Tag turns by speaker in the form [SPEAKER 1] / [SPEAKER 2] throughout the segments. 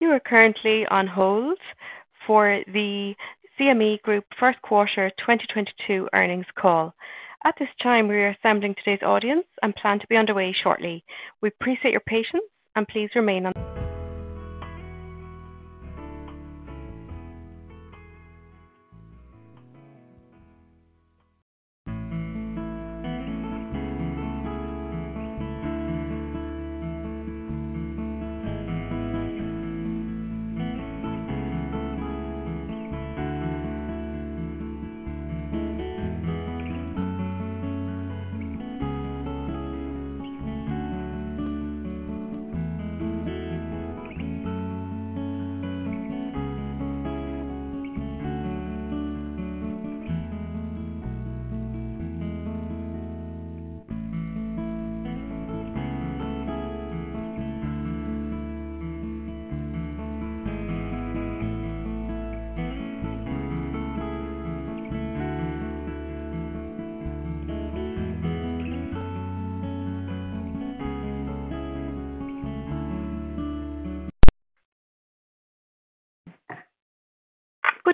[SPEAKER 1] You are currently on hold for the CME Group First Quarter 2022 earnings call. At this time, we are assembling today's audience and plan to be underway shortly. We appreciate your patience and please remain on.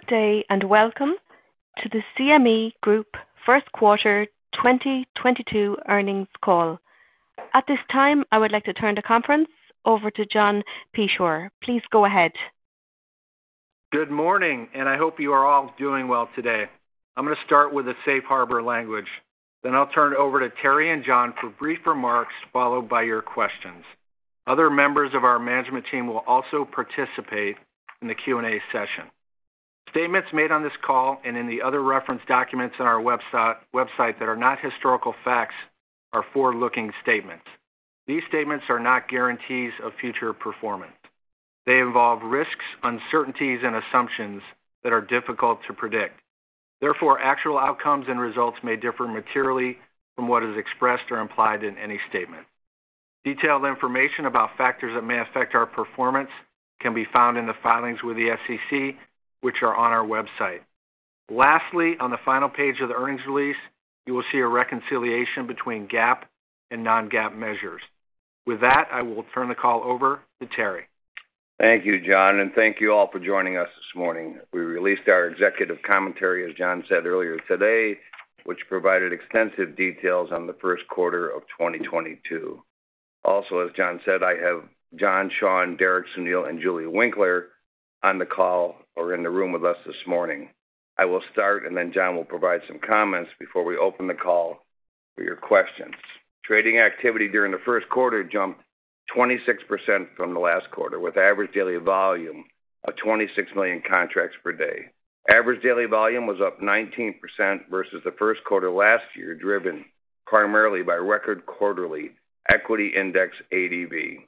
[SPEAKER 1] Good day and welcome to the CME Group First Quarter 2022 earnings call. At this time, I would like to turn the conference over to John Peschier. Please go ahead.
[SPEAKER 2] Good morning, and I hope you are all doing well today. I'm gonna start with the Safe Harbor language. Then I'll turn it over to Terry and John for brief remarks, followed by your questions. Other members of our management team will also participate in the Q&A session. Statements made on this call and in the other reference documents on our website that are not historical facts are forward-looking statements. These statements are not guarantees of future performance. They involve risks, uncertainties, and assumptions that are difficult to predict. Therefore, actual outcomes and results may differ materially from what is expressed or implied in any statement. Detailed information about factors that may affect our performance can be found in the filings with the SEC, which are on our website. Lastly, on the final page of the earnings release, you will see a reconciliation between GAAP and non-GAAP measures. With that, I will turn the call over to Terry.
[SPEAKER 3] Thank you, John, and thank you all for joining us this morning. We released our executive commentary, as John said earlier today, which provided extensive details on the first quarter of 2022. Also, as John said, I have John, Sean, Derek, Sunil, and Julie Winkler on the call or in the room with us this morning. I will start, and then John will provide some comments before we open the call for your questions. Trading activity during the first quarter jumped 26% from the last quarter, with average daily volume of 26 million contracts per day. Average daily volume was up 19% versus the first quarter last year, driven primarily by record quarterly equity index ADV,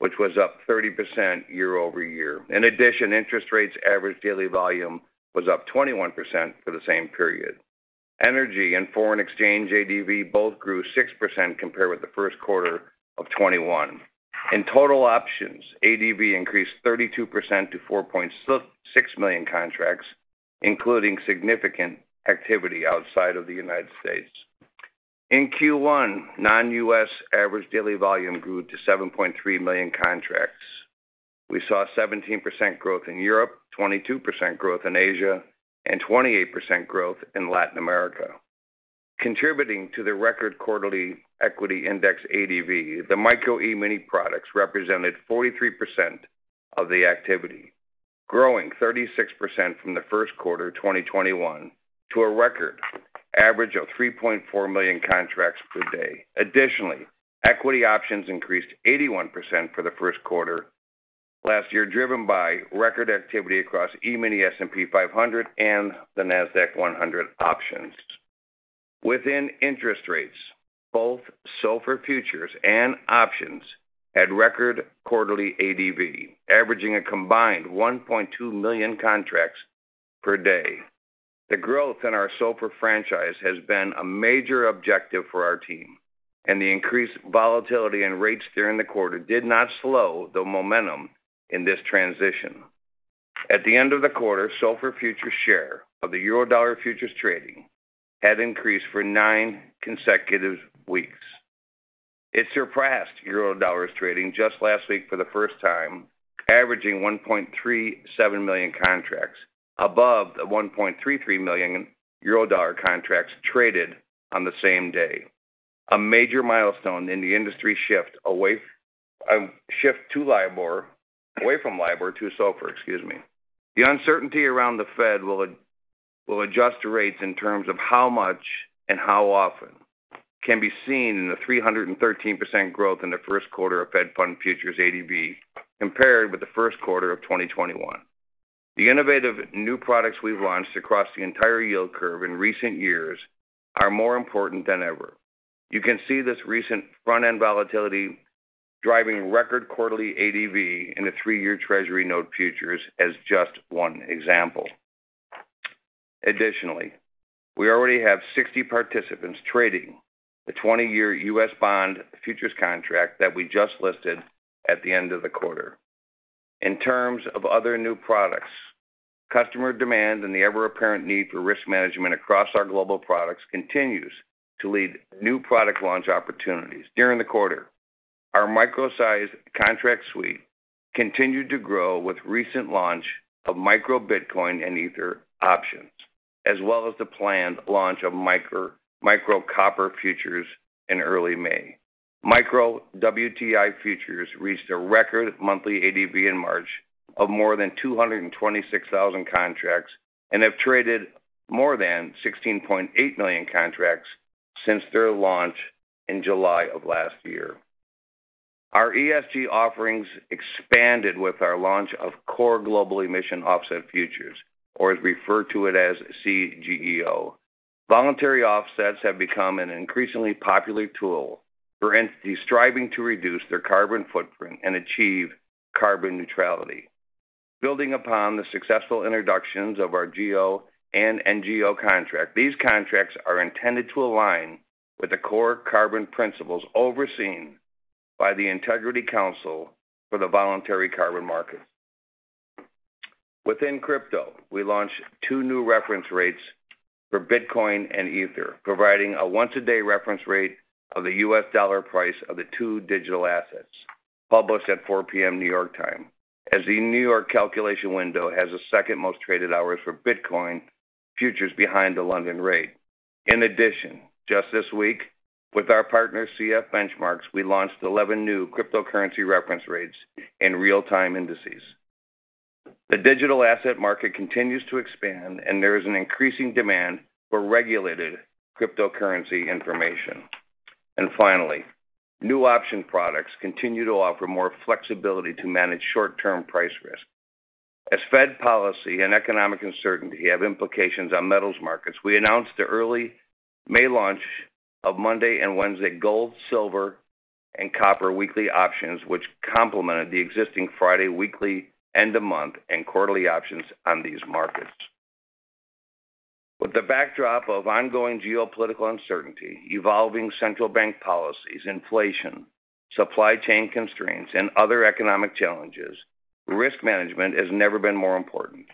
[SPEAKER 3] which was up 30% year-over-year. In addition, interest rates average daily volume was up 21% for the same period. Energy and foreign exchange ADV both grew 6% compared with the first quarter of 2021. In total options, ADV increased 32% to 4.6 million contracts, including significant activity outside of the United States. In Q1, non-US average daily volume grew to 7.3 million contracts. We saw 17% growth in Europe, 22% growth in Asia, and 28% growth in Latin America. Contributing to the record quarterly equity index ADV, the Micro E-mini products represented 43% of the activity, growing 36% from the first quarter 2021 to a record average of 3.4 million contracts per day. Additionally, equity options increased 81% for the first quarter last year, driven by record activity across E-mini S&P 500 and the Nasdaq 100 options. Within interest rates, both SOFR futures and options had record quarterly ADV, averaging a combined 1.2 million contracts per day. The growth in our SOFR franchise has been a major objective for our team, and the increased volatility in rates during the quarter did not slow the momentum in this transition. At the end of the quarter, SOFR futures share of the Eurodollar futures trading had increased for nine consecutive weeks. It surpassed Eurodollars trading just last week for the first time, averaging 1.37 million contracts above the 1.33 million Eurodollar contracts traded on the same day, a major milestone in the industry shift away from LIBOR to SOFR. Excuse me. The uncertainty around the Fed will adjust rates in terms of how much and how often can be seen in the 313% growth in the first quarter of Fed Fund futures ADV compared with the first quarter of 2021. The innovative new products we've launched across the entire yield curve in recent years are more important than ever. You can see this recent front-end volatility driving record quarterly ADV in the three-Year U.S. Treasury Note futures as just one example. Additionally, we already have 60 participants trading the 20-Year U.S. Treasury Bond futures contract that we just listed at the end of the quarter. In terms of other new products, customer demand and the ever apparent need for risk management across our global products continues to lead new product launch opportunities. During the quarter, our micro-sized contract suite continued to grow with recent launch of Micro Bitcoin and Ether options, as well as the planned launch of Micro Copper futures in early May. Micro WTI futures reached a record monthly ADV in March of more than 226,000 contracts and have traded more than 16.8 million contracts since their launch in July of last year. Our ESG offerings expanded with our launch of core global emissions offset futures or as referred to it as C-GEO. Voluntary offsets have become an increasingly popular tool for entities striving to reduce their carbon footprint and achieve carbon neutrality. Building upon the successful introductions of our GEO and N-GEO contract, these contracts are intended to align with the core carbon principles overseen by the Integrity Council for the Voluntary Carbon Market. Within crypto, we launched two new reference rates for Bitcoin and Ether, providing a once-a-day reference rate of the U.S. dollar price of the two digital assets published at 4:00 P.M. New York time. As the New York calculation window has the second most traded hours for Bitcoin futures behind the London rate. In addition, just this week with our partner CF Benchmarks, we launched 11 new cryptocurrency reference rates in real-time indices. The digital asset market continues to expand and there is an increasing demand for regulated cryptocurrency information. Finally, new option products continue to offer more flexibility to manage short-term price risk. As Fed policy and economic uncertainty have implications on metals markets, we announced the early May launch of Monday and Wednesday gold, silver, and copper weekly options, which complemented the existing Friday weekly end-of-month and quarterly options on these markets. With the backdrop of ongoing geopolitical uncertainty, evolving central bank policies, inflation, supply chain constraints and other economic challenges, risk management has never been more important.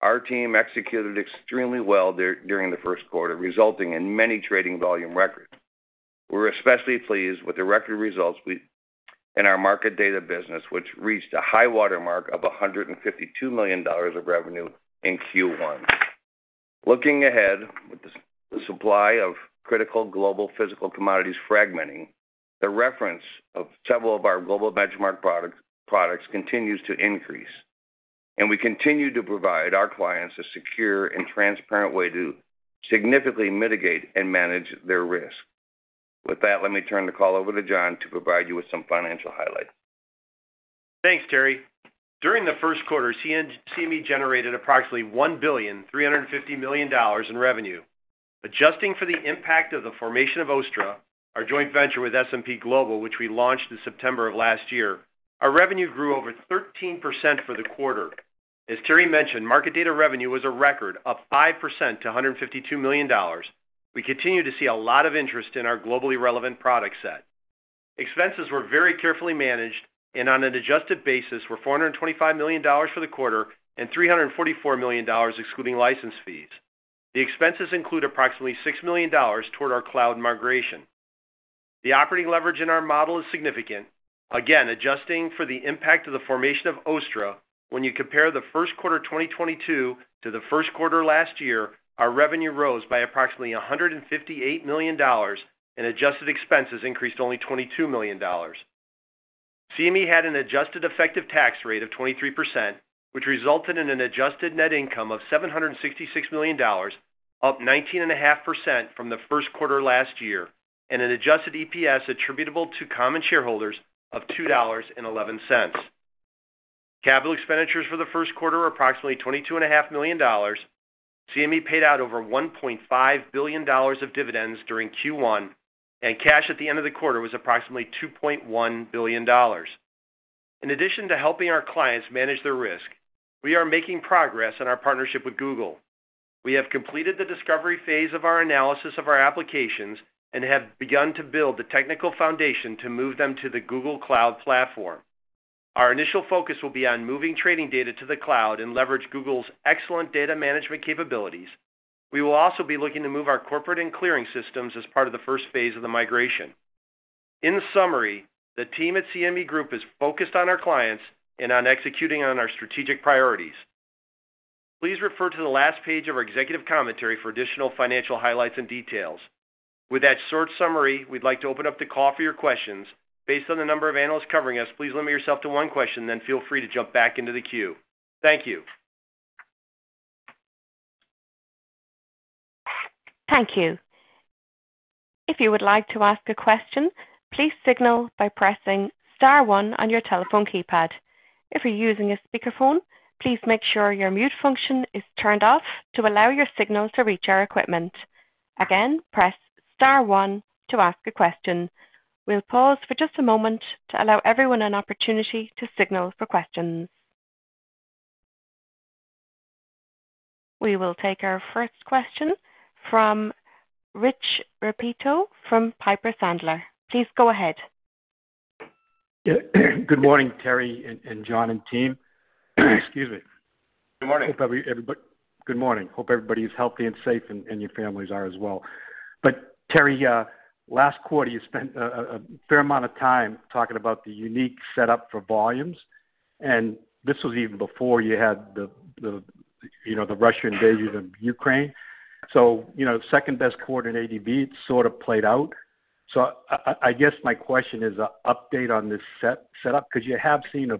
[SPEAKER 3] Our team executed extremely well during the first quarter, resulting in many trading volume records. We're especially pleased with the record results in our market data business, which reached a high watermark of $152 million of revenue in Q1. Looking ahead, with the supply of critical global physical commodities fragmenting, the reference of several of our global benchmark products continues to increase, and we continue to provide our clients a secure and transparent way to significantly mitigate and manage their risk. With that, let me turn the call over to John to provide you with some financial highlights.
[SPEAKER 4] Thanks, Terry. During the first quarter, CME generated approximately $1.35 billion in revenue. Adjusting for the impact of the formation of OSTTRA, our joint venture with S&P Global, which we launched in September of last year, our revenue grew over 13% for the quarter. As Terry mentioned, market data revenue was a record, up 5% to $152 million. We continue to see a lot of interest in our globally relevant product set. Expenses were very carefully managed, and on an adjusted basis were $425 million for the quarter and $344 million excluding license fees. The expenses include approximately $6 million toward our cloud migration. The operating leverage in our model is significant. Again, adjusting for the impact of the formation of OSTTRA, when you compare the first quarter 2022 to the first quarter last year, our revenue rose by approximately $158 million and adjusted expenses increased only $22 million. CME had an adjusted effective tax rate of 23%, which resulted in an adjusted net income of $766 million, up 19.5% from the first quarter last year, and an adjusted EPS attributable to common shareholders of $2.11. Capital expenditures for the first quarter were approximately $22.5 million. CME paid out over $1.5 billion of dividends during Q1, and cash at the end of the quarter was approximately $2.1 billion. In addition to helping our clients manage their risk, we are making progress in our partnership with Google. We have completed the discovery phase of our analysis of our applications and have begun to build the technical foundation to move them to the Google Cloud Platform. Our initial focus will be on moving trading data to the cloud and leverage Google's excellent data management capabilities. We will also be looking to move our corporate and clearing systems as part of the phase I of the migration. In summary, the team at CME Group is focused on our clients and on executing on our strategic priorities. Please refer to the last page of our executive commentary for additional financial highlights and details. With that short summary, we'd like to open up the call for your questions. Based on the number of analysts covering us, please limit yourself to one question, then feel free to jump back into the queue. Thank you.
[SPEAKER 1] Thank you. If you would like to ask a question, please signal by pressing star one on your telephone keypad. If you're using a speakerphone, please make sure your mute function is turned off to allow your signal to reach our equipment. Again, press star one to ask a question. We'll pause for just a moment to allow everyone an opportunity to signal for questions. We will take our first question from Rich Repetto from Piper Sandler. Please go ahead.
[SPEAKER 5] Yeah. Good morning, Terry and John and team. Excuse me.
[SPEAKER 3] Good morning, everybody.
[SPEAKER 5] Good morning. Hope everybody is healthy and safe and your families are as well. Terry, last quarter, you spent a fair amount of time talking about the unique setup for volumes, and this was even before you had the you know, the Russian invasion of Ukraine. You know, second best quarter in ADV, it sort of played out. I guess my question is an update on this setup, because you have seen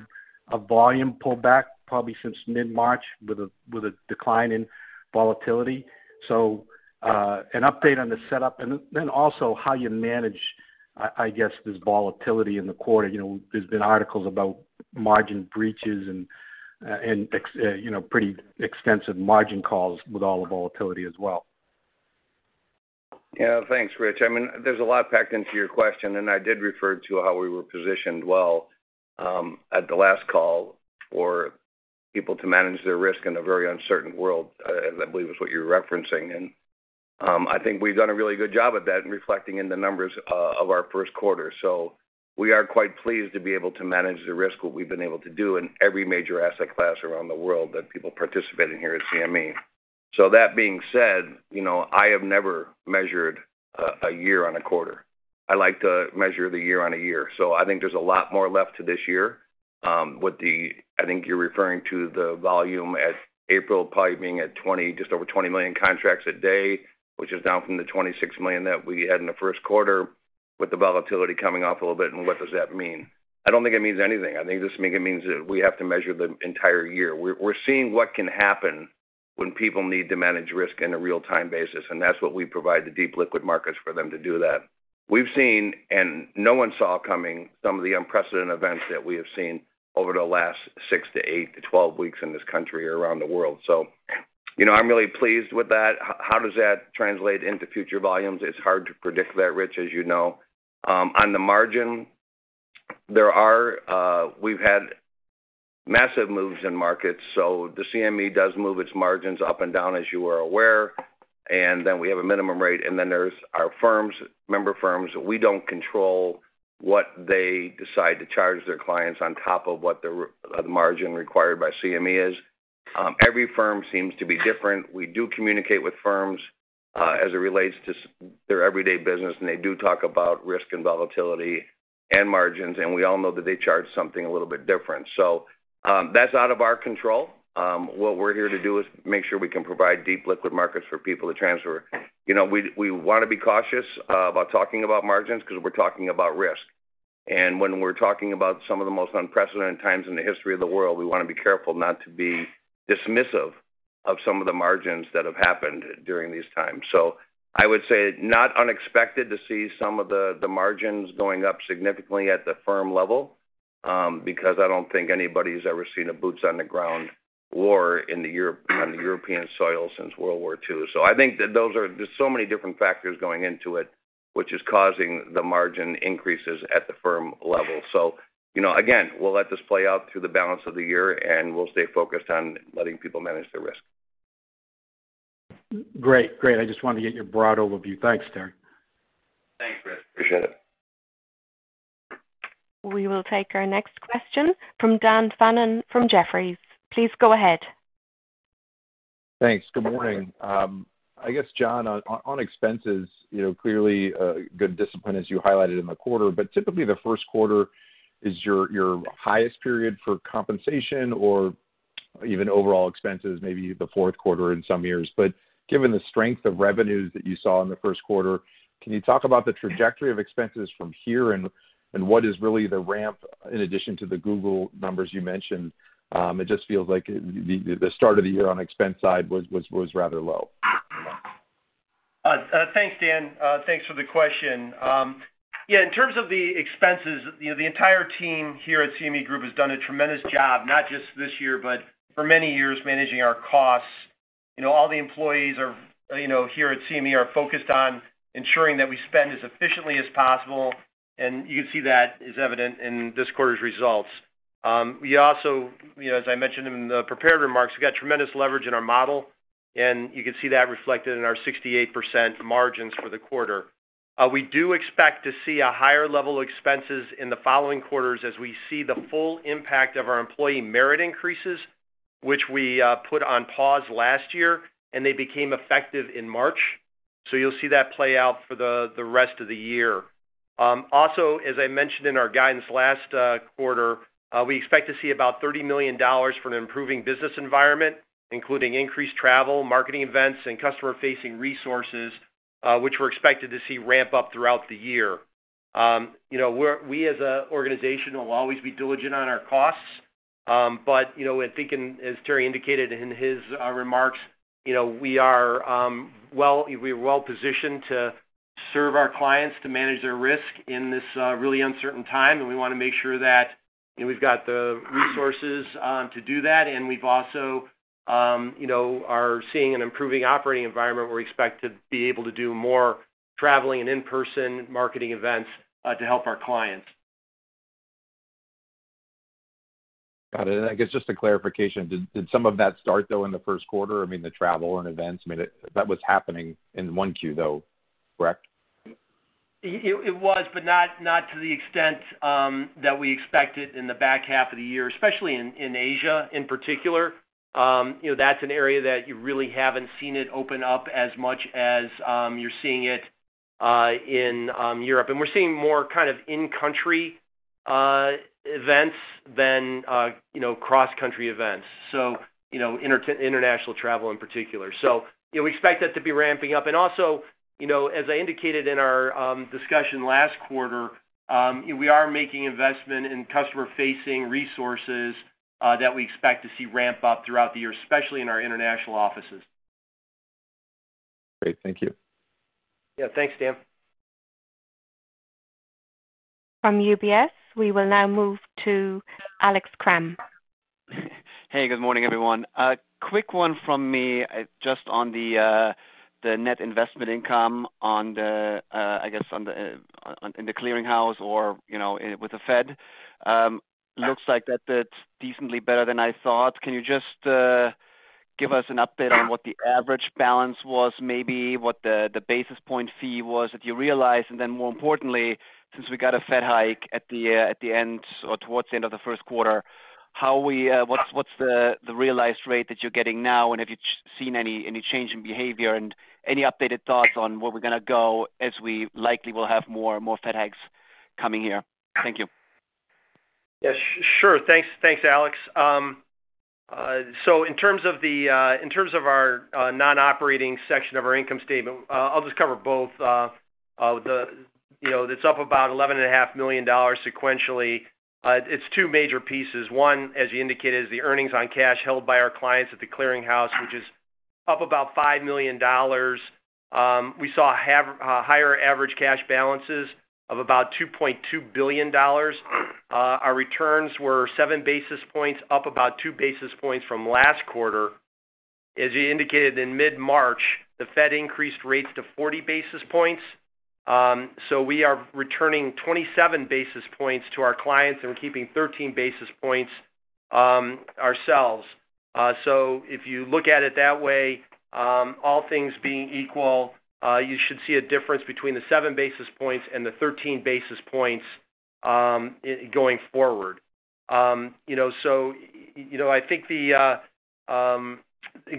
[SPEAKER 5] a volume pull back probably since mid-March with a decline in volatility. An update on the setup and then also how you manage this volatility in the quarter. You know, there's been articles about margin breaches and you know, pretty extensive margin calls with all the volatility as well.
[SPEAKER 3] Yeah. Thanks, Rich. I mean, there's a lot packed into your question, and I did refer to how we were positioned well, at the last call for people to manage their risk in a very uncertain world, I believe is what you're referencing. I think we've done a really good job at that and reflecting in the numbers of our first quarter. We are quite pleased to be able to manage the risk, what we've been able to do in every major asset class around the world that people participate in here at CME. That being said, you know, I have never measured a year on a quarter. I like to measure the year on a year. I think there's a lot more left to this year, with the. I think you're referring to the volume at April probably being at 20, just over 20 million contracts a day, which is down from the 26 million that we had in the first quarter with the volatility coming off a little bit, and what does that mean? I don't think it means anything. I think it just means that we have to measure the entire year. We're seeing what can happen when people need to manage risk in a real-time basis, and that's what we provide the deep liquid markets for them to do that. We've seen, and no one saw coming, some of the unprecedented events that we have seen over the last six to eight to 12 weeks in this country or around the world. You know, I'm really pleased with that. How does that translate into future volumes? It's hard to predict that, Rich, as you know. On the margin, there are... We've had massive moves in markets, so the CME does move its margins up and down as you are aware, and then we have a minimum rate, and then there's our firms, member firms. We don't control what they decide to charge their clients on top of what the margin required by CME is. Every firm seems to be different. We do communicate with firms, as it relates to their everyday business, and they do talk about risk and volatility and margins, and we all know that they charge something a little bit different. That's out of our control. What we're here to do is make sure we can provide deep liquid markets for people to transfer. You know, we wanna be cautious about talking about margins because we're talking about risk. When we're talking about some of the most unprecedented times in the history of the world, we wanna be careful not to be dismissive of some of the margins that have happened during these times. I would say not unexpected to see some of the margins going up significantly at the firm level, because I don't think anybody's ever seen a boots-on-the-ground war in Europe on the European soil since World War II. I think that there's so many different factors going into it, which is causing the margin increases at the firm level. You know, again, we'll let this play out through the balance of the year, and we'll stay focused on letting people manage their risk.
[SPEAKER 5] Great. I just wanted to get your broad overview. Thanks, Terry.
[SPEAKER 3] Thanks, Rich. Appreciate it.
[SPEAKER 1] We will take our next question from Dan Fannon from Jefferies. Please go ahead.
[SPEAKER 6] Thanks. Good morning. I guess, John, on expenses, you know, clearly, good discipline as you highlighted in the quarter. Typically, the first quarter is your highest period for compensation or even overall expenses, maybe the fourth quarter in some years. Given the strength of revenues that you saw in the first quarter, can you talk about the trajectory of expenses from here and what is really the ramp in addition to the Google numbers you mentioned? It just feels like the start of the year on expense side was rather low. You know?
[SPEAKER 4] Thanks, Dan. Thanks for the question. Yeah, in terms of the expenses, you know, the entire team here at CME Group has done a tremendous job, not just this year, but for many years managing our costs. You know, all the employees are, you know, here at CME are focused on ensuring that we spend as efficiently as possible, and you can see that is evident in this quarter's results. We also, you know, as I mentioned in the prepared remarks, we've got tremendous leverage in our model, and you can see that reflected in our 68% margins for the quarter. We do expect to see a higher level expenses in the following quarters as we see the full impact of our employee merit increases, which we put on pause last year, and they became effective in March.
[SPEAKER 3] You'll see that play out for the rest of the year. Also, as I mentioned in our guidance last quarter, we expect to see about $30 million from an improving business environment, including increased travel, marketing events, and customer-facing resources, which we're expected to see ramp up throughout the year. You know, we're we as a organization will always be diligent on our costs. You know, I think, as Terry indicated in his remarks, you know, we are well-positioned to serve our clients to manage their risk in this really uncertain time, and we wanna make sure that, you know, we've got the resources to do that. We've also, you know, are seeing an improving operating environment where we expect to be able to do more traveling and in-person marketing events to help our clients.
[SPEAKER 6] Got it. I guess just a clarification. Did some of that start though in the first quarter? I mean, the travel and events, I mean, that was happening in one Q though, correct?
[SPEAKER 4] It was, but not to the extent that we expected in the back half of the year, especially in Asia in particular. You know, that's an area that you really haven't seen it open up as much as you're seeing it in Europe. We're seeing more kind of in-country events than you know, cross-country events, you know, international travel in particular. You know, we expect that to be ramping up. Also, you know, as I indicated in our discussion last quarter, we are making investment in customer-facing resources that we expect to see ramp up throughout the year, especially in our international offices.
[SPEAKER 6] Great. Thank you.
[SPEAKER 4] Yeah. Thanks, Dan.
[SPEAKER 1] From UBS, we will now move to Alex Kramm.
[SPEAKER 7] Hey, good morning, everyone. A quick one from me just on the net investment income in the clearinghouse or, you know, with the Fed. Looks like that did decently better than I thought. Can you just give us an update on what the average balance was, maybe what the basis point fee was that you realized? More importantly, since we got a Fed hike at the end or towards the end of the first quarter, what's the realized rate that you're getting now? Have you seen any change in behavior and any updated thoughts on where we're gonna go as we likely will have more Fed hikes coming here? Thank you.
[SPEAKER 4] Yeah, sure. Thanks, Alex. So in terms of our non-operating section of our income statement, I'll just cover both. You know, that's up about $11.5 million sequentially. It's two major pieces. One, as you indicated, is the earnings on cash held by our clients at the clearinghouse, which is up about $5 million. We saw higher average cash balances of about $2.2 billion. Our returns were 7 basis points up about 2 basis points from last quarter. As you indicated, in mid-March, the Fed increased rates to 40 basis points. So we are returning 27 basis points to our clients and keeping 13 basis points ourselves. So if you look at it that way, all things being equal, you should see a difference between the 7 basis points and the 13 basis points, going forward. You know, so, you know, I think the,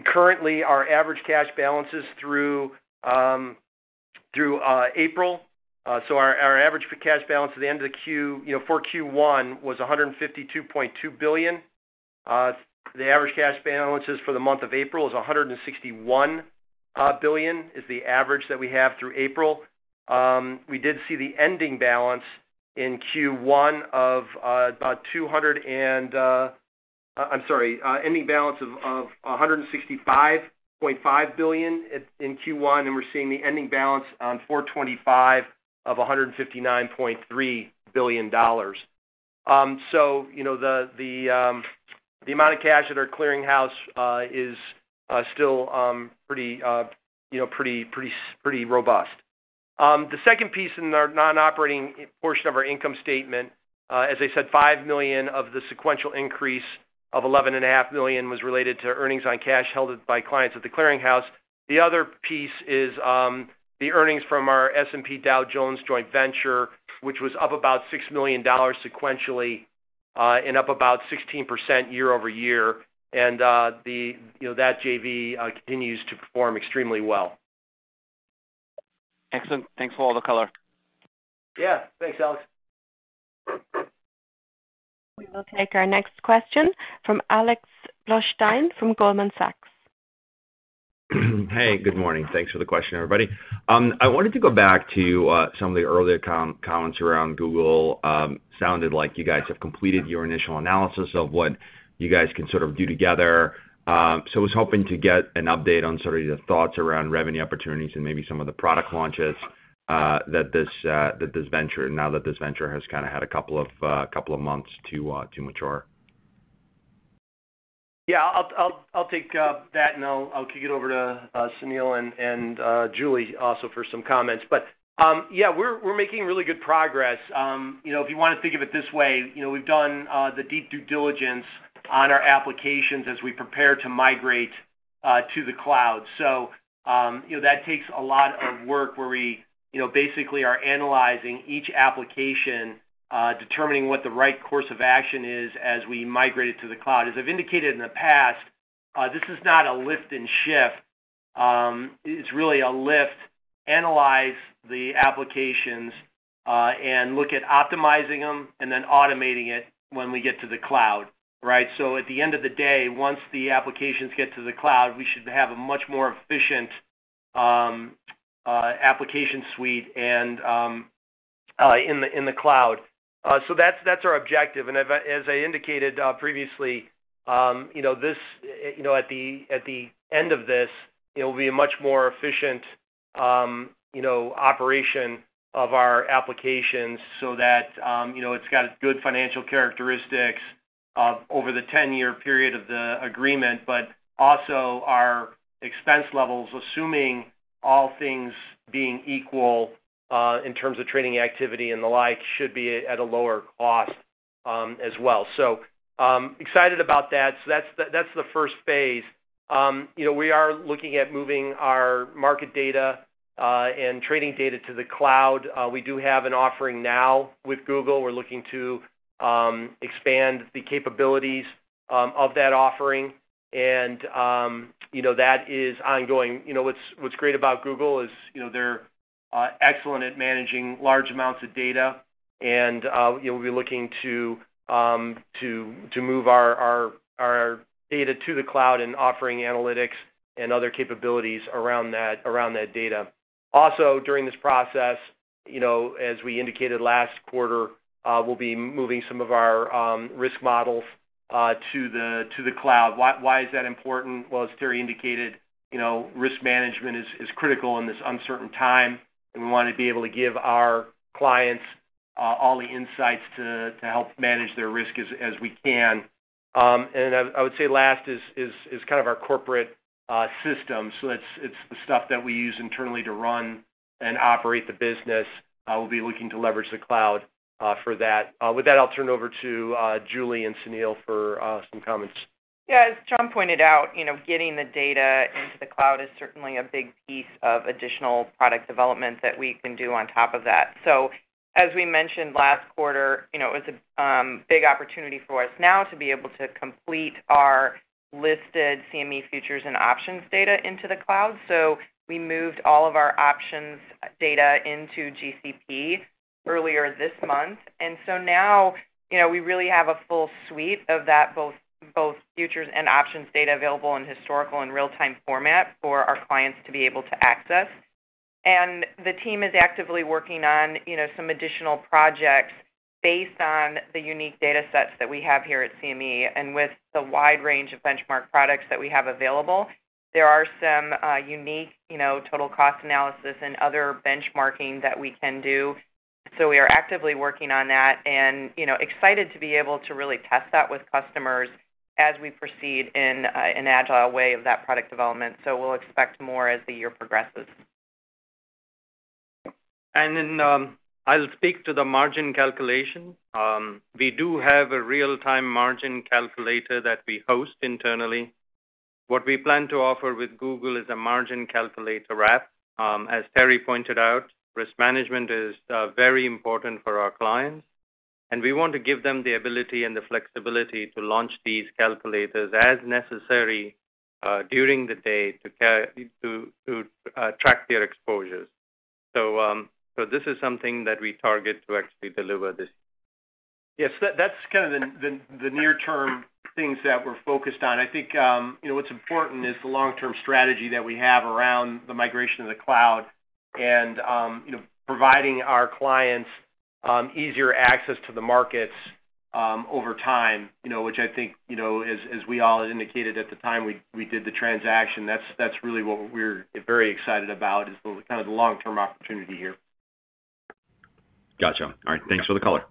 [SPEAKER 4] currently our average cash balance is through April. So our average cash balance at the end of the Q, you know, for Q1 was $152.2 billion. The average cash balances for the month of April is $161 billion, is the average that we have through April. We did see the ending balance in Q1 of $200 and, I'm sorry, ending balance of 165.5 billion at in Q1, and we're seeing the ending balance on 4/25 of 159.3 billion dollars. So, you know, the amount of cash at our clearinghouse is still pretty robust. The second piece in our non-operating portion of our income statement, as I said, $5 million of the sequential increase of $11.5 million was related to earnings on cash held by clients at the clearinghouse. The other piece is the earnings from our S&P Dow Jones Joint Venture, which was up about $6 million sequentially, and up about 16% year-over-year. You know, that JV continues to perform extremely well.
[SPEAKER 7] Excellent. Thanks for all the color.
[SPEAKER 4] Yeah. Thanks, Alex.
[SPEAKER 1] We will take our next question from Alex Blostein from Goldman Sachs.
[SPEAKER 8] Hey, good morning. Thanks for the question, everybody. I wanted to go back to some of the earlier comments around Google. Sounded like you guys have completed your initial analysis of what you guys can sort of do together. So I was hoping to get an update on sort of the thoughts around revenue opportunities and maybe some of the product launches now that this venture has kind of had a couple of months to mature.
[SPEAKER 4] Yeah, I'll take that, and I'll kick it over to Sunil and Julie also for some comments. We're making really good progress. You know, if you wanna think of it this way, you know, we've done the deep due diligence on our applications as we prepare to migrate to the cloud. You know, that takes a lot of work where we, you know, basically are analyzing each application, determining what the right course of action is as we migrate it to the cloud. As I've indicated in the past, this is not a lift and shift. It's really a lift, analyze the applications, and look at optimizing them and then automating it when we get to the cloud, right? At the end of the day, once the applications get to the cloud, we should have a much more efficient application suite and in the cloud. That's our objective. As I indicated previously, you know, at the end of this, it'll be a much more efficient you know, operation of our applications so that you know, it's got good financial characteristics over the 10-year period of the agreement, but also our expense levels, assuming all things being equal, in terms of trading activity and the like should be at a lower cost, as well. Excited about that. That's the phase I. You know, we are looking at moving our market data and trading data to the cloud. We do have an offering now with Google. We're looking to expand the capabilities of that offering and, you know, that is ongoing. You know, what's great about Google is, you know, they're excellent at managing large amounts of data, and we'll be looking to move our data to the cloud and offering analytics and other capabilities around that data. Also, during this process, you know, as we indicated last quarter, we'll be moving some of our risk models to the cloud. Why is that important? Well, as Terry indicated, you know, risk management is critical in this uncertain time, and we want to be able to give our clients all the insights to help manage their risk as we can. I would say last is kind of our corporate system. It's the stuff that we use internally to run and operate the business. We'll be looking to leverage the cloud for that. With that, I'll turn over to Julie and Sunil for some comments.
[SPEAKER 9] Yeah, as John pointed out, you know, getting the data into the cloud is certainly a big piece of additional product development that we can do on top of that. As we mentioned last quarter, you know, it was a big opportunity for us now to be able to complete our listed CME futures and options data into the cloud. We moved all of our options data into GCP earlier this month. Now, you know, we really have a full suite of that, both futures and options data available in historical and real-time format for our clients to be able to access. The team is actively working on, you know, some additional projects based on the unique data sets that we have here at CME. With the wide range of benchmark products that we have available, there are some unique, you know, total cost analysis and other benchmarking that we can do. We are actively working on that and, you know, excited to be able to really test that with customers as we proceed in an agile way of that product development. We'll expect more as the year progresses.
[SPEAKER 10] I'll speak to the margin calculation. We do have a real-time margin calculator that we host internally. What we plan to offer with Google is a margin calculator wrap. As Terry pointed out, risk management is very important for our clients, and we want to give them the ability and the flexibility to launch these calculators as necessary during the day to track their exposures. This is something that we target to actually deliver this.
[SPEAKER 4] Yes, that's kind of the near-term things that we're focused on. I think, you know, what's important is the long-term strategy that we have around the migration to the cloud and, you know, providing our clients easier access to the markets over time, you know, which I think, you know, as we all indicated at the time we did the transaction, that's really what we're very excited about, is kind of the long-term opportunity here.
[SPEAKER 8] Gotcha. All right. Thanks for the color.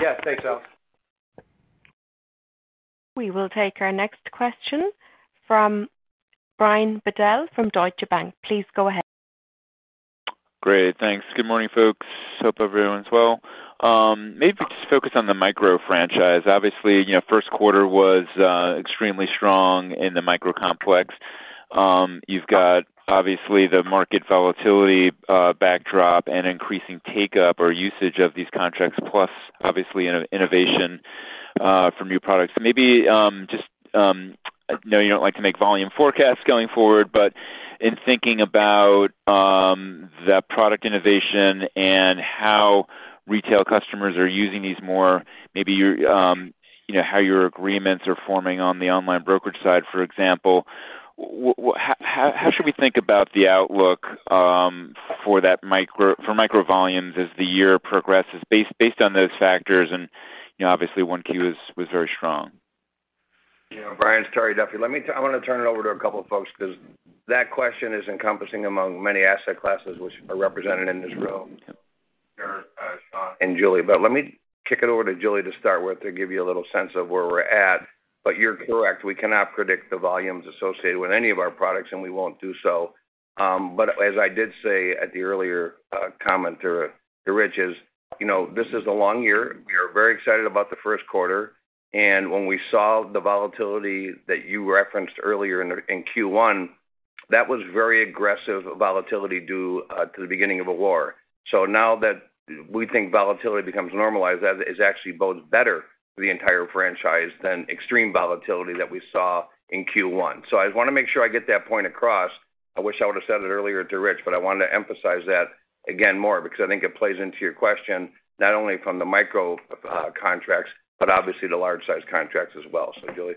[SPEAKER 4] Yeah, thanks, Alex.
[SPEAKER 1] We will take our next question from Brian Bedell from Deutsche Bank. Please go ahead.
[SPEAKER 11] Great, thanks. Good morning, folks. Hope everyone's well. Maybe just focus on the micro franchise. Obviously, you know, first quarter was extremely strong in the micro complex. You've got obviously the market volatility backdrop and increasing take-up or usage of these contracts, plus obviously innovation from new products. Maybe just, I know you don't like to make volume forecasts going forward, but in thinking about the product innovation and how retail customers are using these more, maybe, you know, how your agreements are forming on the online brokerage side, for example, how should we think about the outlook for micro volumes as the year progresses based on those factors? You know, obviously, one Q was very strong.
[SPEAKER 4] Yeah, Brian, it's Terry Duffy. Let me, I want to turn it over to a couple of folks because that question is encompassing among many asset classes which are represented in this room.
[SPEAKER 10] Yeah.
[SPEAKER 4] Derek, Sean, and Julie. Let me kick it over to Julie to start with to give you a little sense of where we're at. You're correct, we cannot predict the volumes associated with any of our products, and we won't do so. As I did say in the earlier comment to Rich, is, you know, this is a long year. We are very excited about the first quarter. When we saw the volatility that you referenced earlier in Q1, that was very aggressive volatility due to the beginning of a war. Now that we think volatility becomes normalized, that is actually bodes better for the entire franchise than extreme volatility that we saw in Q1. I just wanna make sure I get that point across. I wish I would've said it earlier to Rich, but I wanted to emphasize that again more because I think it plays into your question, not only from the micro contracts, but obviously the large-size contracts as well. Julie?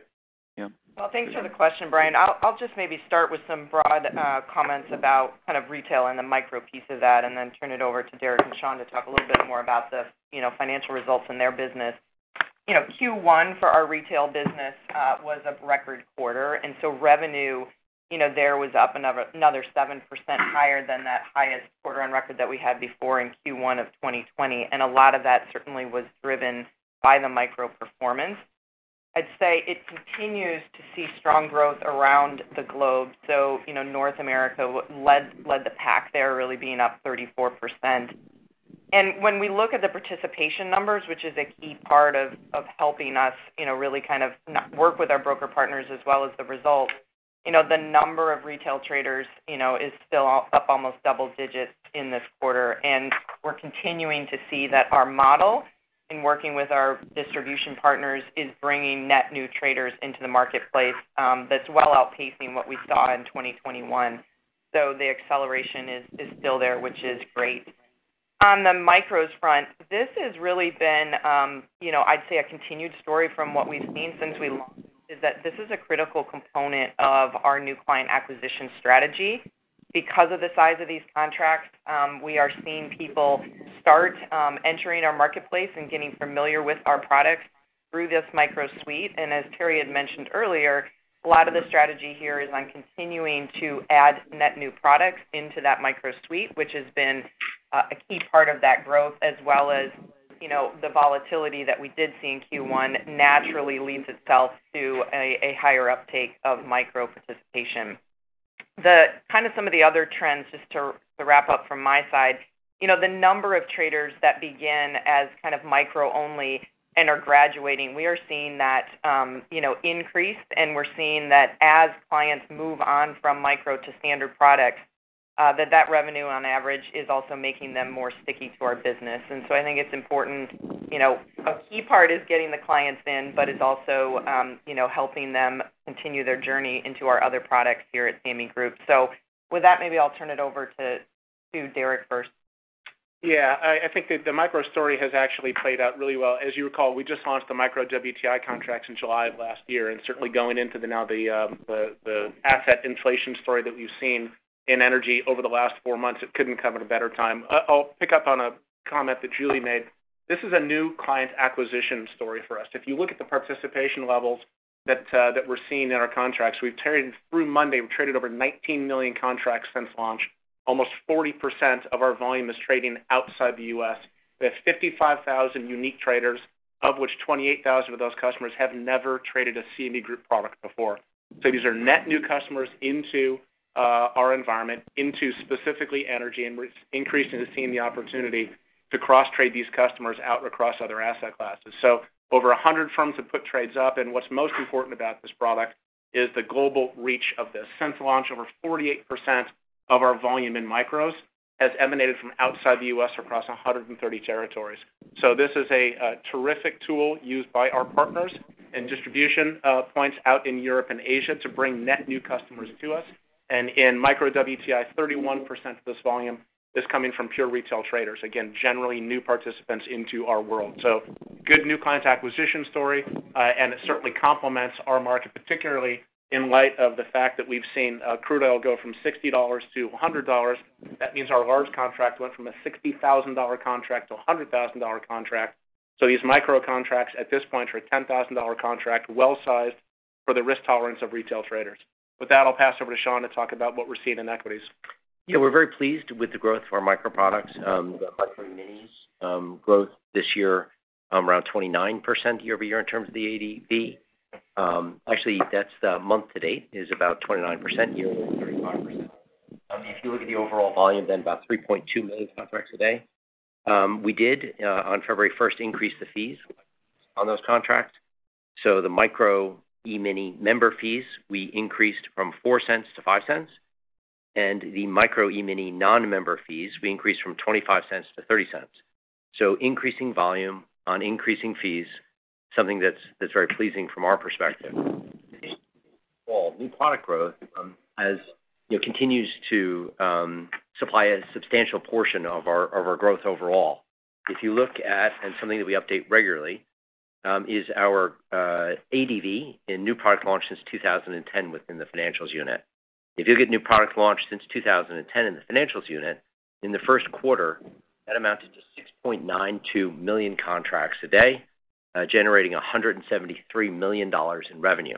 [SPEAKER 9] Well, thanks for the question, Brian. I'll just maybe start with some broad comments about kind of retail and the micro piece of that, and then turn it over to Derek and Sean to talk a little bit more about the, you know, financial results in their business. You know, Q1 for our retail business was a record quarter, and so revenue, you know, there was up another 7% higher than that highest quarter on record that we had before in Q1 of 2020. A lot of that certainly was driven by the micro performance. I'd say it continues to see strong growth around the globe. You know, North America led the pack there, really being up 34%. When we look at the participation numbers, which is a key part of helping us, you know, really kind of work with our broker partners as well as the result, you know, the number of retail traders, you know, is still up almost double digits in this quarter. We're continuing to see that our model in working with our distribution partners is bringing net new traders into the marketplace, that's well outpacing what we saw in 2021. The acceleration is still there, which is great. On the micros front, this has really been, you know, I'd say a continued story from what we've seen since we launched, is that this is a critical component of our new client acquisition strategy. Because of the size of these contracts, we are seeing people start entering our marketplace and getting familiar with our products through this micro suite. As Terry had mentioned earlier, a lot of the strategy here is on continuing to add net new products into that micro suite, which has been a key part of that growth as well as, you know, the volatility that we did see in Q1 naturally leads itself to a higher uptake of micro participation. The kind of some of the other trends, just to wrap up from my side. You know, the number of traders that begin as kind of micro only and are graduating, we are seeing that, you know, increase, and we're seeing that as clients move on from micro to standard products, that revenue on average is also making them more sticky to our business. I think it's important, you know, a key part is getting the clients in, but it's also, you know, helping them continue their journey into our other products here at CME Group. With that, maybe I'll turn it over to Derek first.
[SPEAKER 12] I think the micro story has actually played out really well. As you recall, we just launched the micro WTI contracts in July of last year, and certainly going into the asset inflation story that we've seen in energy over the last four months, it couldn't come at a better time. I'll pick up on a comment that Julie made. This is a new client acquisition story for us. If you look at the participation levels that we're seeing in our contracts, through Monday we've traded over 19 million contracts since launch. Almost 40% of our volume is trading outside the US. We have 55,000 unique traders, of which 28,000 of those customers have never traded a CME Group product before. These are net new customers into our environment, into specifically energy, and we're increasing and seeing the opportunity to cross-trade these customers out across other asset classes. Over 100 firms have put trades up, and what's most important about this product is the global reach of this. Since launch, over 48% of our volume in micros has emanated from outside the U.S. across 130 territories. This is a terrific tool used by our partners and distribution points out in Europe and Asia to bring net new customers to us. In Micro WTI, 31% of this volume is coming from pure retail traders, again, generally new participants into our world. Good new client acquisition story, and it certainly complements our market, particularly in light of the fact that we've seen, crude oil go from $60-$100. That means our large contract went from a $60,000 contract to a $100,000 contract. These micro contracts at this point are a $10,000 contract, well-sized for the risk tolerance of retail traders. With that, I'll pass over to Sean to talk about what we're seeing in equities.
[SPEAKER 13] Yeah, we're very pleased with the growth of our micro products, the Micro E-minis. Growth this year around 29% year-over-year in terms of the ADV. Actually, that's the month to date is about 29%, year-over-year, 35%. If you look at the overall volume, then about 3.2 million contracts a day. We did on February first increase the fees on those contracts. The Micro E-mini member fees, we increased from $0.04-$0.05, and the Micro E-mini non-member fees, we increased from $0.25-$0.30. Increasing volume on increasing fees, something that's very pleasing from our perspective. Well, new product growth, as you know, continues to supply a substantial portion of our growth overall. If you look at something that we update regularly, is our ADV in new product launch since 2010 within the financials unit. If you get new product launch since 2010 in the financials unit, in the first quarter, that amounted to 6.92 million contracts a day, generating $173 million in revenue.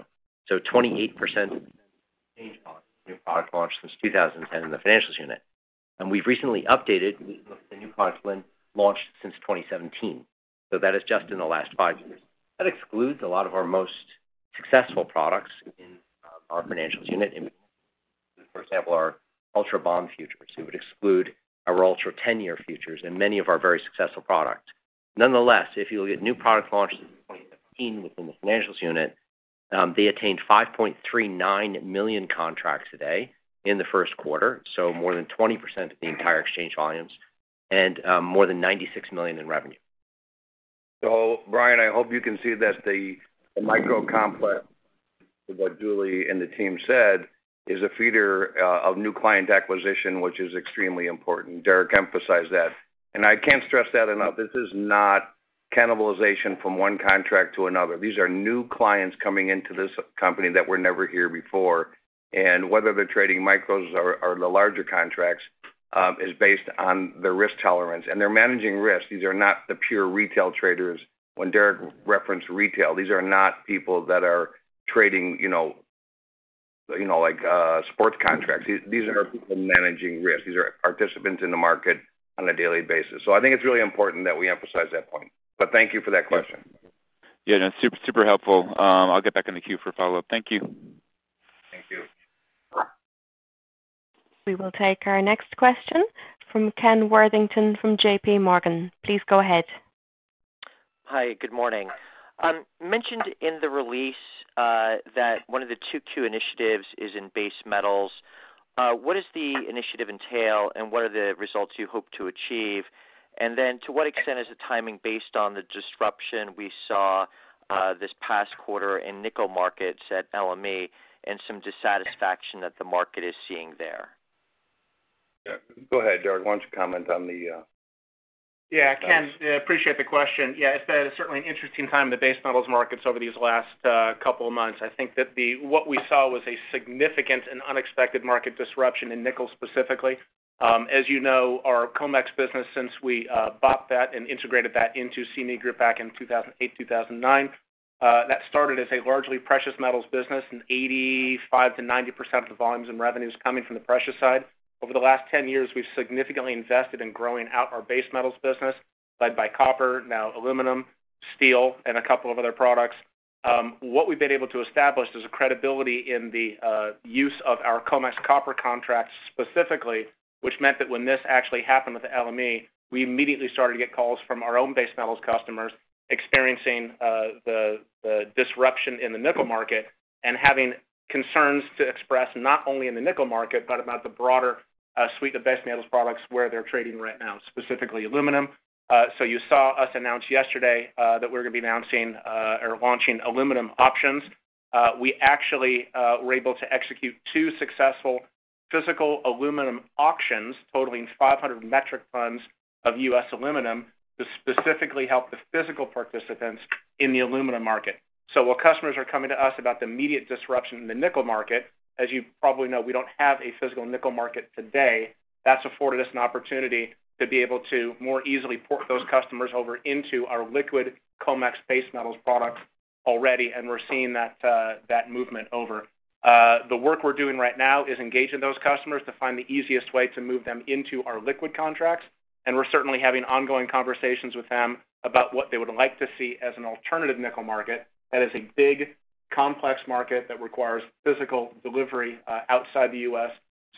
[SPEAKER 13] 28% change on new product launch since 2010 in the financials unit. We've recently updated the new products been launched since 2017. That is just in the last five years. That excludes a lot of our most successful products in our financials unit. For example, our Ultra Bond futures. It would exclude our Ultra 10-Year futures and many of our very successful products. Nonetheless, if you look at new product launches in 2017 within the financials unit, they attained 5.39 million contracts a day in the first quarter, so more than 20% of the entire exchange volumes and, more than $96 million in revenue.
[SPEAKER 3] Brian, I hope you can see that the micro complex, what Julie and the team said, is a feeder of new client acquisition, which is extremely important. Derek emphasized that. I can't stress that enough. This is not cannibalization from one contract to another. These are new clients coming into this company that were never here before. Whether they're trading micros or the larger contracts is based on their risk tolerance. They're managing risks. These are not the pure retail traders when Derek referenced retail. These are not people that are trading, you know. You know, like, sports contracts. These are people managing risk. These are participants in the market on a daily basis. I think it's really important that we emphasize that point. Thank you for that question.
[SPEAKER 11] Yeah, no, super helpful. I'll get back in the queue for follow-up. Thank you.
[SPEAKER 3] Thank you.
[SPEAKER 1] We will take our next question from Ken Worthington from JP Morgan. Please go ahead.
[SPEAKER 14] Hi, good morning. Mentioned in the release that one of the two key initiatives is in base metals. What does the initiative entail, and what are the results you hope to achieve? To what extent is the timing based on the disruption we saw this past quarter in nickel markets at LME and some dissatisfaction that the market is seeing there?
[SPEAKER 3] Yeah, go ahead, Derek. Why don't you comment on the...
[SPEAKER 12] Yeah, Ken, appreciate the question. Yeah, it's been certainly an interesting time in the base metals markets over these last couple of months. I think that what we saw was a significant and unexpected market disruption in nickel specifically. As you know, our COMEX business since we bought that and integrated that into CME Group back in 2008, 2009, that started as a largely precious metals business, and 85%-90% of the volumes and revenues coming from the precious side. Over the last 10 years, we've significantly invested in growing out our base metals business led by copper, now aluminum, steel, and a couple of other products. What we've been able to establish is a credibility in the use of our COMEX copper contracts specifically, which meant that when this actually happened with the LME, we immediately started to get calls from our own base metals customers experiencing the disruption in the nickel market and having concerns to express not only in the nickel market, but about the broader suite of base metals products where they're trading right now, specifically aluminum. You saw us announce yesterday that we're gonna be announcing or launching aluminum options. We actually were able to execute two successful physical aluminum auctions totaling 500 metric tons of U.S. aluminum to specifically help the physical participants in the aluminum market. While customers are coming to us about the immediate disruption in the nickel market, as you probably know, we don't have a physical nickel market today. That's afforded us an opportunity to be able to more easily port those customers over into our liquid COMEX base metals products already, and we're seeing that movement over. The work we're doing right now is engaging those customers to find the easiest way to move them into our liquid contracts, and we're certainly having ongoing conversations with them about what they would like to see as an alternative nickel market that is a big, complex market that requires physical delivery outside the U.S.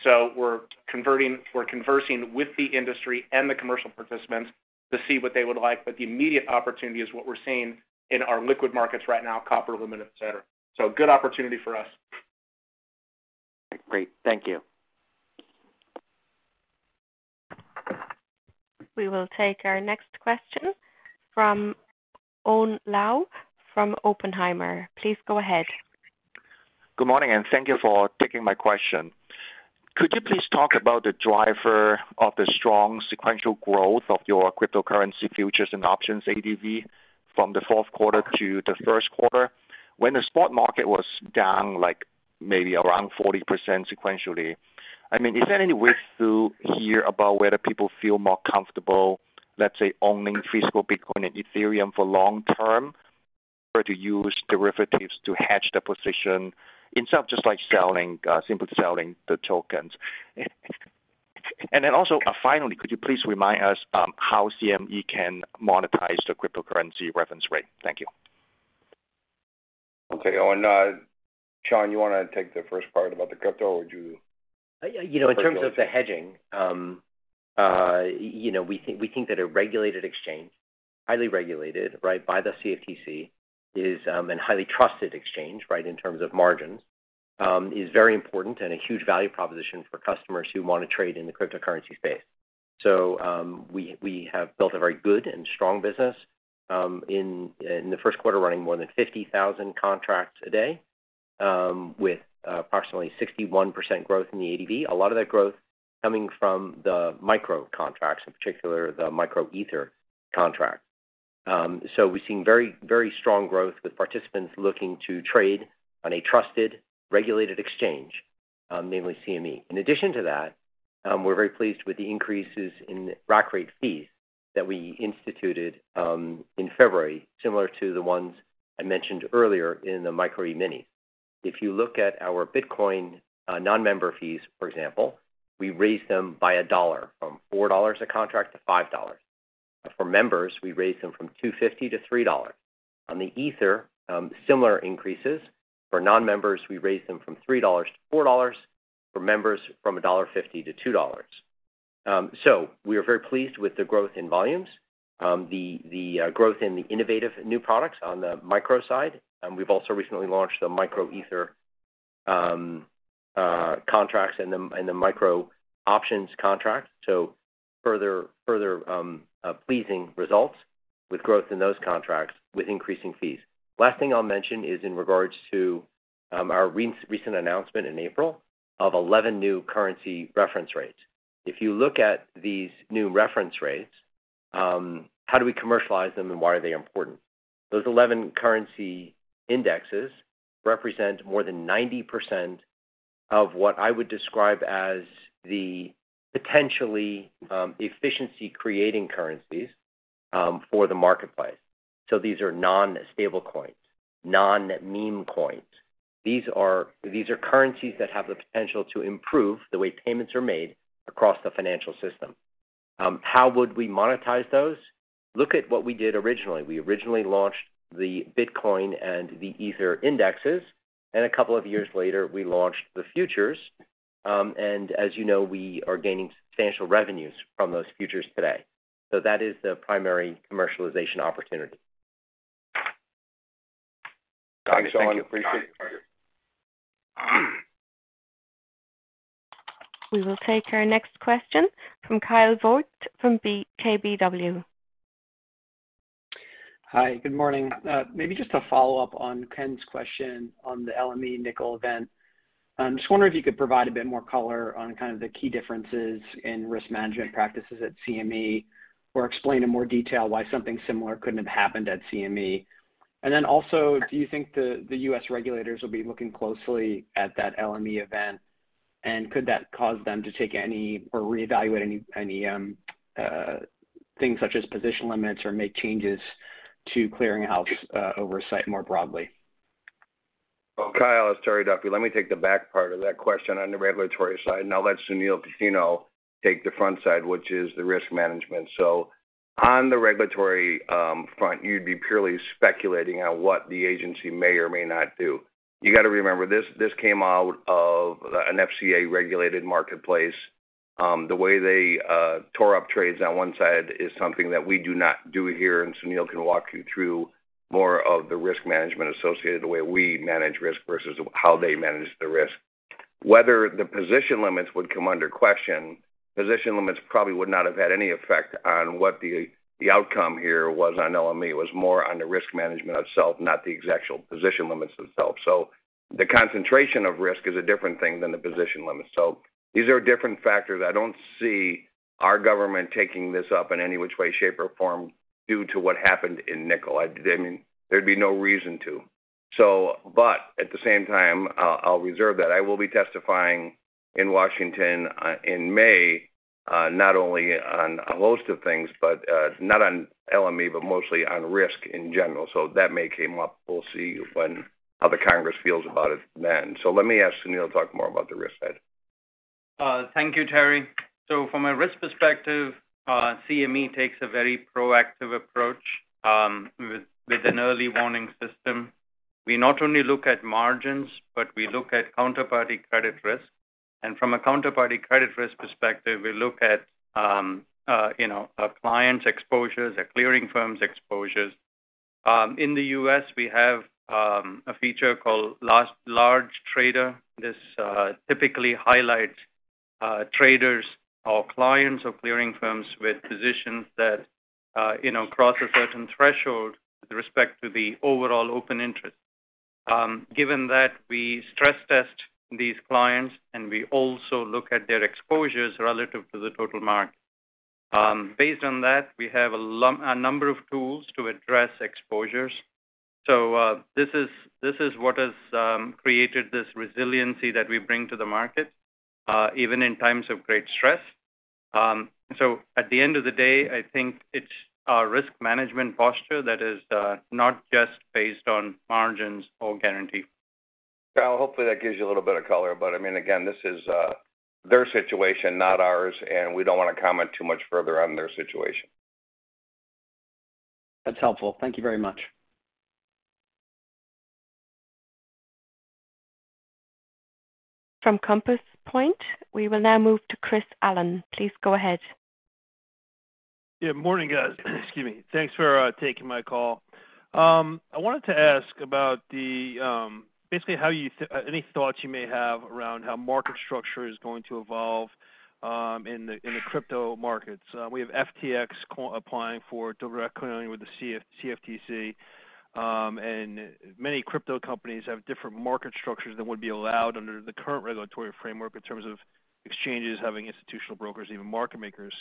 [SPEAKER 12] We're conversing with the industry and the commercial participants to see what they would like, but the immediate opportunity is what we're seeing in our liquid markets right now, copper, aluminum, et cetera. Good opportunity for us.
[SPEAKER 14] Great. Thank you.
[SPEAKER 1] We will take our next question from Owen Lau from Oppenheimer. Please go ahead.
[SPEAKER 15] Good morning, and thank you for taking my question. Could you please talk about the driver of the strong sequential growth of your cryptocurrency futures and options ADV from the fourth quarter to the first quarter when the spot market was down like maybe around 40% sequentially? I mean, is there any way to hear about whether people feel more comfortable, let's say, owning physical Bitcoin and Ethereum for long term or to use derivatives to hedge the position instead of just, like, simply selling the tokens? Also, finally, could you please remind us how CME can monetize the cryptocurrency reference rate? Thank you.
[SPEAKER 3] Okay. Owen, Sean, you wanna take the first part about the crypto, would you?
[SPEAKER 13] You know, in terms of the hedging, you know, we think that a regulated exchange, highly regulated, right, by the CFTC is a highly trusted exchange, right, in terms of margins, is very important and a huge value proposition for customers who want to trade in the cryptocurrency space. So, we have built a very good and strong business, in the first quarter running more than 50,000 contracts a day, with approximately 61% growth in the ADV. A lot of that growth coming from the micro contracts, in particular the micro Ether contract. So we've seen very, very strong growth with participants looking to trade on a trusted, regulated exchange, namely CME. In addition to that, we're very pleased with the increases in rack rate fees that we instituted in February, similar to the ones I mentioned earlier in the Micro E-mini. If you look at our Bitcoin non-member fees, for example, we raised them by $1 from $4 a contract to $5. For members, we raised them from $2.50-$3. On the Ether, similar increases. For non-members, we raised them from $3-$4. For members, from $1.50-$2. So we are very pleased with the growth in volumes, the growth in the innovative new products on the micro side. We've also recently launched the Micro Ether contracts and the micro options contracts, so further pleasing results with growth in those contracts with increasing fees. Last thing I'll mention is in regards to our recent announcement in April of 11 new currency reference rates. If you look at these new reference rates, how do we commercialize them and why are they important? Those 11 currency indexes represent more than 90% of what I would describe as the potentially efficiency-creating currencies for the marketplace. These are non-stable coins, non-meme coins. These are currencies that have the potential to improve the way payments are made across the financial system. How would we monetize those? Look at what we did originally. We originally launched the Bitcoin and the Ether indexes, and a couple of years later, we launched the futures. As you know, we are gaining substantial revenues from those futures today. That is the primary commercialization opportunity.
[SPEAKER 3] Thanks, Sean. Appreciate it.
[SPEAKER 1] We will take our next question from Kyle Voigt from KBW.
[SPEAKER 16] Hi, good morning. Maybe just to follow up on Ken's question on the LME nickel event. I'm just wondering if you could provide a bit more color on kind of the key differences in risk management practices at CME, or explain in more detail why something similar couldn't have happened at CME. Do you think the U.S. regulators will be looking closely at that LME event? Could that cause them to take any or reevaluate any things such as position limits or make changes to clearinghouse oversight more broadly?
[SPEAKER 3] Well, Kyle, it's Terry Duffy. Let me take the back part of that question on the regulatory side, and I'll let Sunil Cutinho take the front side, which is the risk management. On the regulatory front, you'd be purely speculating on what the agency may or may not do. You gotta remember this came out of an FCA-regulated marketplace. The way they tore up trades on one side is something that we do not do here, and Sunil can walk you through more of the risk management associated, the way we manage risk versus how they manage the risk. Whether the position limits would come under question, position limits probably would not have had any effect on what the outcome here was on LME. It was more on the risk management itself, not the actual position limits themselves. The concentration of risk is a different thing than the position limits. These are different factors. I don't see our government taking this up in any which way, shape, or form due to what happened in nickel. There'd be no reason to. At the same time, I'll reserve that. I will be testifying in Washington in May, not only on a host of things, but, not on LME, but mostly on risk in general. That may come up. We'll see how the Congress feels about it then. Let me ask Sunil to talk more about the risk side.
[SPEAKER 10] Thank you, Terry. From a risk perspective, CME takes a very proactive approach, with an early warning system. We not only look at margins, but we look at counterparty credit risk. From a counterparty credit risk perspective, we look at, you know, a client's exposures, a clearing firm's exposures. In the U.S., we have a feature called large trader. This typically highlights traders or clients or clearing firms with positions that, you know, cross a certain threshold with respect to the overall open interest. Given that we stress test these clients, and we also look at their exposures relative to the total market. Based on that, we have a number of tools to address exposures. This is what has created this resiliency that we bring to the market, even in times of great stress. At the end of the day, I think it's our risk management posture that is not just based on margins or guarantee.
[SPEAKER 3] Kyle, hopefully that gives you a little bit of color, but I mean, again, this is their situation, not ours, and we don't wanna comment too much further on their situation.
[SPEAKER 16] That's helpful. Thank you very much.
[SPEAKER 1] From Compass Point, we will now move to Chris Allen. Please go ahead.
[SPEAKER 17] Yeah, morning, guys. Excuse me. Thanks for taking my call. I wanted to ask about the basically any thoughts you may have around how market structure is going to evolve in the crypto markets. We have FTX applying for direct clearing with the CFTC, and many crypto companies have different market structures that would be allowed under the current regulatory framework in terms of exchanges having institutional brokers, even market makers.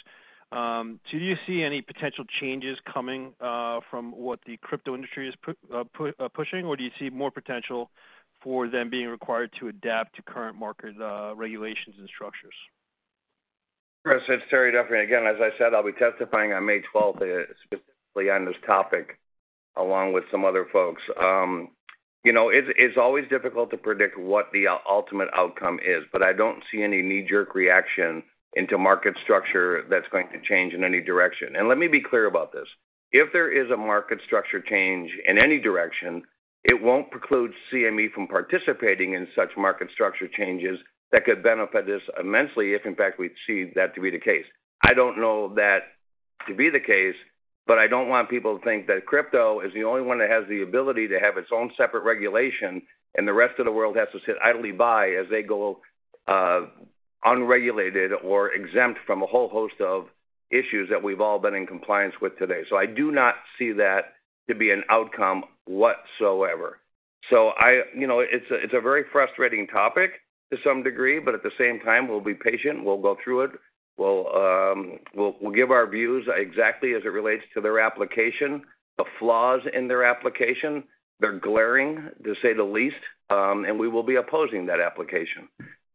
[SPEAKER 17] Do you see any potential changes coming from what the crypto industry is pushing, or do you see more potential for them being required to adapt to current market regulations and structures?
[SPEAKER 3] Chris, it's Terry Duffy. Again, as I said, I'll be testifying on May twelfth, specifically on this topic, along with some other folks. You know, it's always difficult to predict what the ultimate outcome is, but I don't see any knee-jerk reaction to market structure that's going to change in any direction. Let me be clear about this. If there is a market structure change in any direction, it won't preclude CME from participating in such market structure changes that could benefit us immensely if in fact we'd see that to be the case. I don't know that to be the case, but I don't want people to think that crypto is the only one that has the ability to have its own separate regulation, and the rest of the world has to sit idly by as they go, unregulated or exempt from a whole host of issues that we've all been in compliance with today. I do not see that to be an outcome whatsoever. You know, it's a very frustrating topic to some degree, but at the same time, we'll be patient. We'll go through it. We'll give our views exactly as it relates to their application. The flaws in their application, they're glaring, to say the least, and we will be opposing that application.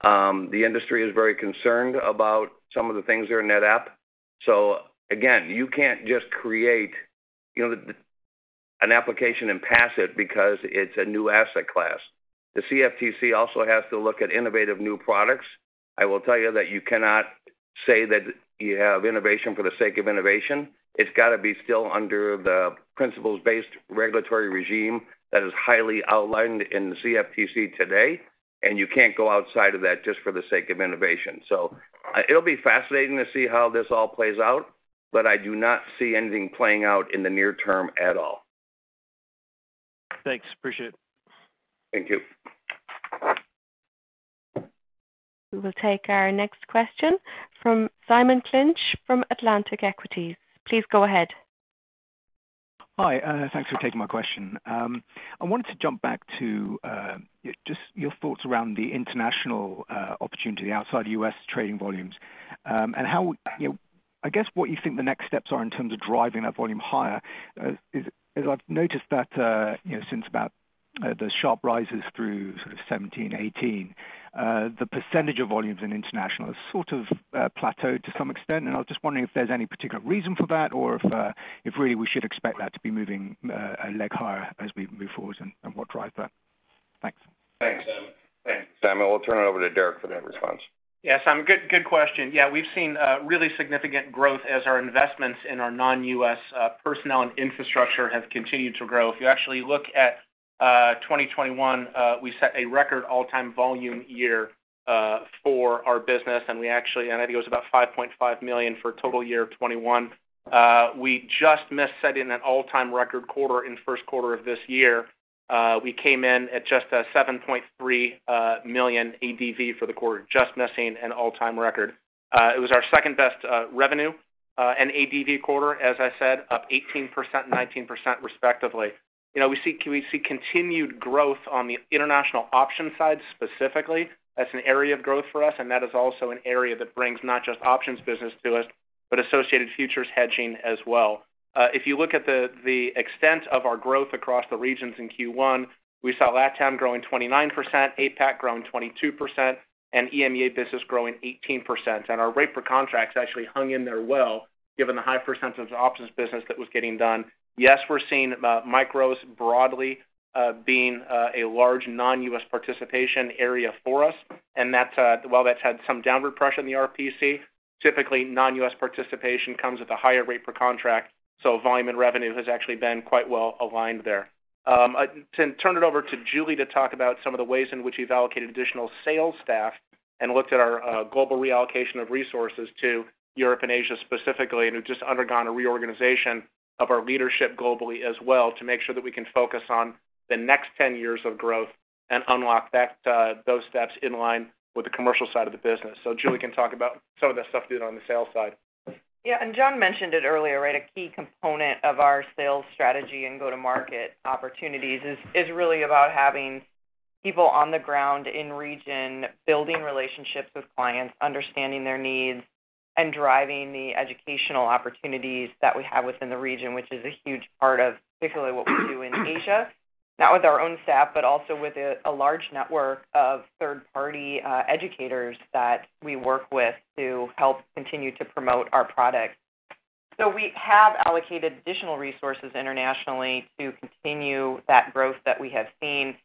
[SPEAKER 3] The industry is very concerned about some of the things that are in that app. Again, you can't just create, you know, an application and pass it because it's a new asset class. The CFTC also has to look at innovative new products. I will tell you that you cannot say that you have innovation for the sake of innovation. It's gotta be still under the principles-based regulatory regime that is highly outlined in the CFTC today, and you can't go outside of that just for the sake of innovation. It'll be fascinating to see how this all plays out, but I do not see anything playing out in the near term at all.
[SPEAKER 12] Thanks. Appreciate it.
[SPEAKER 3] Thank you.
[SPEAKER 1] We will take our next question from Simon Clinch from Atlantic Equities. Please go ahead.
[SPEAKER 18] Hi, thanks for taking my question. I wanted to jump back to just your thoughts around the international opportunity outside U.S. trading volumes. How you know, I guess what you think the next steps are in terms of driving that volume higher. As I've noticed that you know, since about the sharp rises through sort of 2017, 2018, the percentage of volumes in international has sort of plateaued to some extent. I was just wondering if there's any particular reason for that or if really we should expect that to be moving a leg higher as we move forward and what drive that. Thanks.
[SPEAKER 3] Thanks.
[SPEAKER 12] Thanks.
[SPEAKER 3] Simon, we'll turn it over to Derek for that response.
[SPEAKER 12] Yeah, Simon, good question. Yeah, we've seen really significant growth as our investments in our non-US personnel and infrastructure have continued to grow. If you actually look at 2021, we set a record all-time volume year for our business, and I think it was about 5.5 million for total year 2021. We just missed setting an all-time record quarter in first quarter of this year. We came in at just a 7.3 million ADV for the quarter, just missing an all-time record. It was our second best revenue and ADV quarter, as I said, up 18%, 19% respectively. You know, we see continued growth on the international options side specifically. That's an area of growth for us, and that is also an area that brings not just options business to us, but associated futures hedging as well. If you look at the extent of our growth across the regions in Q1, we saw LATAM growing 29%, APAC growing 22%, and EMEA business growing 18%. Our rate per contracts actually hung in there well, given the high percentage of options business that was getting done. Yes, we're seeing micros broadly being a large non-US participation area for us, and that while that's had some downward pressure in the RPC, typically non-US participation comes with a higher rate per contract, so volume and revenue has actually been quite well aligned there. I turn it over to Julie to talk about some of the ways in which we've allocated additional sales staff and looked at our global reallocation of resources to Europe and Asia specifically, and who've just undergone a reorganization of our leadership globally as well to make sure that we can focus on the next 10 years of growth and unlock those steps in line with the commercial side of the business. Julie can talk about some of the stuff we did on the sales side.
[SPEAKER 9] Yeah, John mentioned it earlier, right? A key component of our sales strategy and go-to-market opportunities is really about having people on the ground in region, building relationships with clients, understanding their needs, and driving the educational opportunities that we have within the region, which is a huge part of particularly what we do in Asia, not with our own staff, but also with a large network of third-party educators that we work with to help continue to promote our products. We have allocated additional resources internationally to continue that growth that we have seen.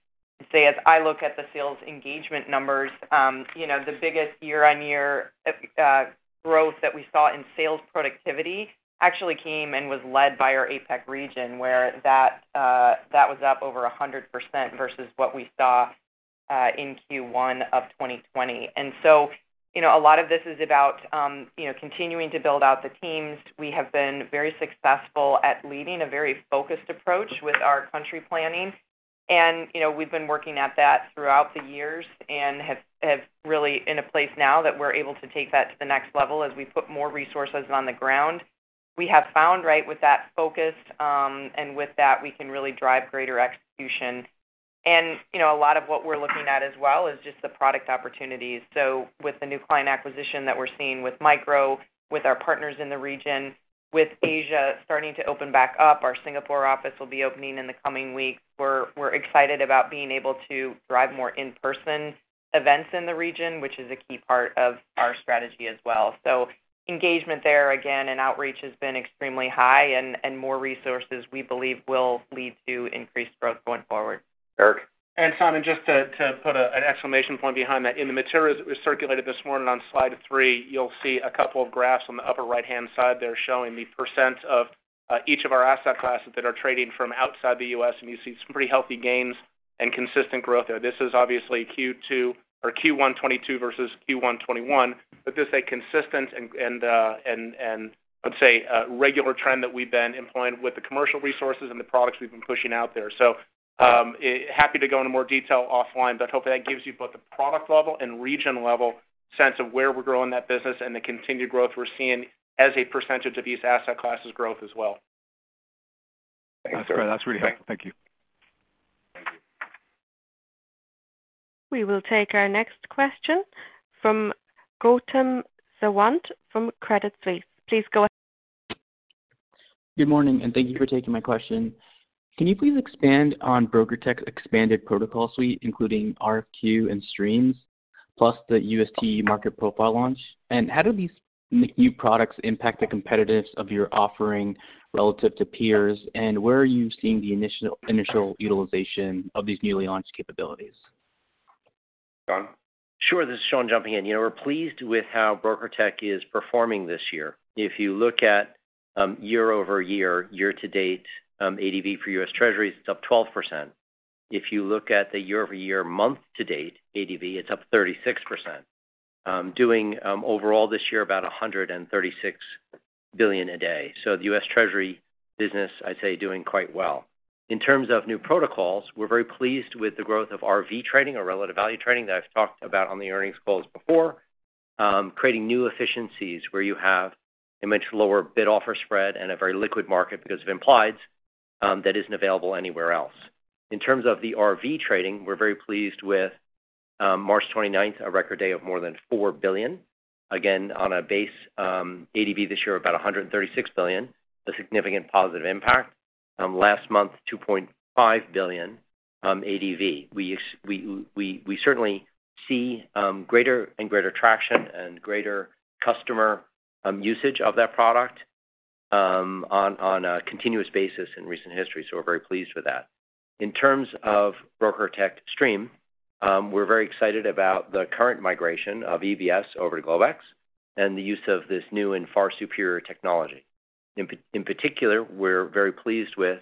[SPEAKER 9] So, as I look at the sales engagement numbers, you know, the biggest year-on-year growth that we saw in sales productivity actually came and was led by our APAC region where that was up over 100% versus what we saw in Q1 of 2020. You know, a lot of this is about continuing to build out the teams. We have been very successful at leading a very focused approach with our country planning. You know, we've been working at that throughout the years and have really in a place now that we're able to take that to the next level as we put more resources on the ground. We have found, right, with that focus, and with that we can really drive greater execution. You know, a lot of what we're looking at as well is just the product opportunities. With the new client acquisition that we're seeing with micro, with our partners in the region, with Asia starting to open back up, our Singapore office will be opening in the coming weeks. We're excited about being able to drive more in-person events in the region, which is a key part of our strategy as well. Engagement there again and outreach has been extremely high and more resources we believe will lead to increased growth going forward.
[SPEAKER 3] Derek.
[SPEAKER 12] Simon, just to put an exclamation point behind that. In the materials that we circulated this morning on slide three, you'll see a couple of graphs on the upper right-hand side there showing the percent of each of our asset classes that are trading from outside the U.S., and you see some pretty healthy gains and consistent growth there. This is obviously Q2 or Q1 2022 versus Q1 2021. Just a consistent and let's say a regular trend that we've been employing with the commercial resources and the products we've been pushing out there. Happy to go into more detail offline, but hopefully that gives you both the product level and region level sense of where we're growing that business and the continued growth we're seeing as a percentage of these asset classes growth as well.
[SPEAKER 18] That's great. That's really helpful. Thank you.
[SPEAKER 3] Thank you.
[SPEAKER 1] We will take our next question from Gautam Sawant from Credit Suisse. Please go ahead.
[SPEAKER 19] Good morning, and thank you for taking my question. Can you please expand on BrokerTec's expanded protocol suite, including RFQ and streams? The UST market profile launch. How do these new products impact the competitiveness of your offering relative to peers? Where are you seeing the initial utilization of these newly launched capabilities?
[SPEAKER 3] Sean?
[SPEAKER 13] Sure. This is Sean jumping in. You know, we're pleased with how BrokerTec is performing this year. If you look at year-over-year, year-to-date ADV for U.S. Treasuries, it's up 12%. If you look at the year-over-year month to date ADV, it's up 36%. Doing overall this year about $136 billion a day. So the U.S. Treasury business, I'd say doing quite well. In terms of new protocols, we're very pleased with the growth of RV trading or Relative Value trading that I've talked about on the earnings calls before, creating new efficiencies where you have a much lower bid offer spread and a very liquid market because of implieds that isn't available anywhere else. In terms of the RV trading, we're very pleased with March 29th, a record day of more than $4 billion. Again, on a base, ADV this year about $136 billion, a significant positive impact. Last month, $2.5 billion ADV. We certainly see greater and greater traction and greater customer usage of that product on a continuous basis in recent history, so we're very pleased with that. In terms of BrokerTec Stream, we're very excited about the current migration of EBS over Globex and the use of this new and far superior technology. In particular, we're very pleased with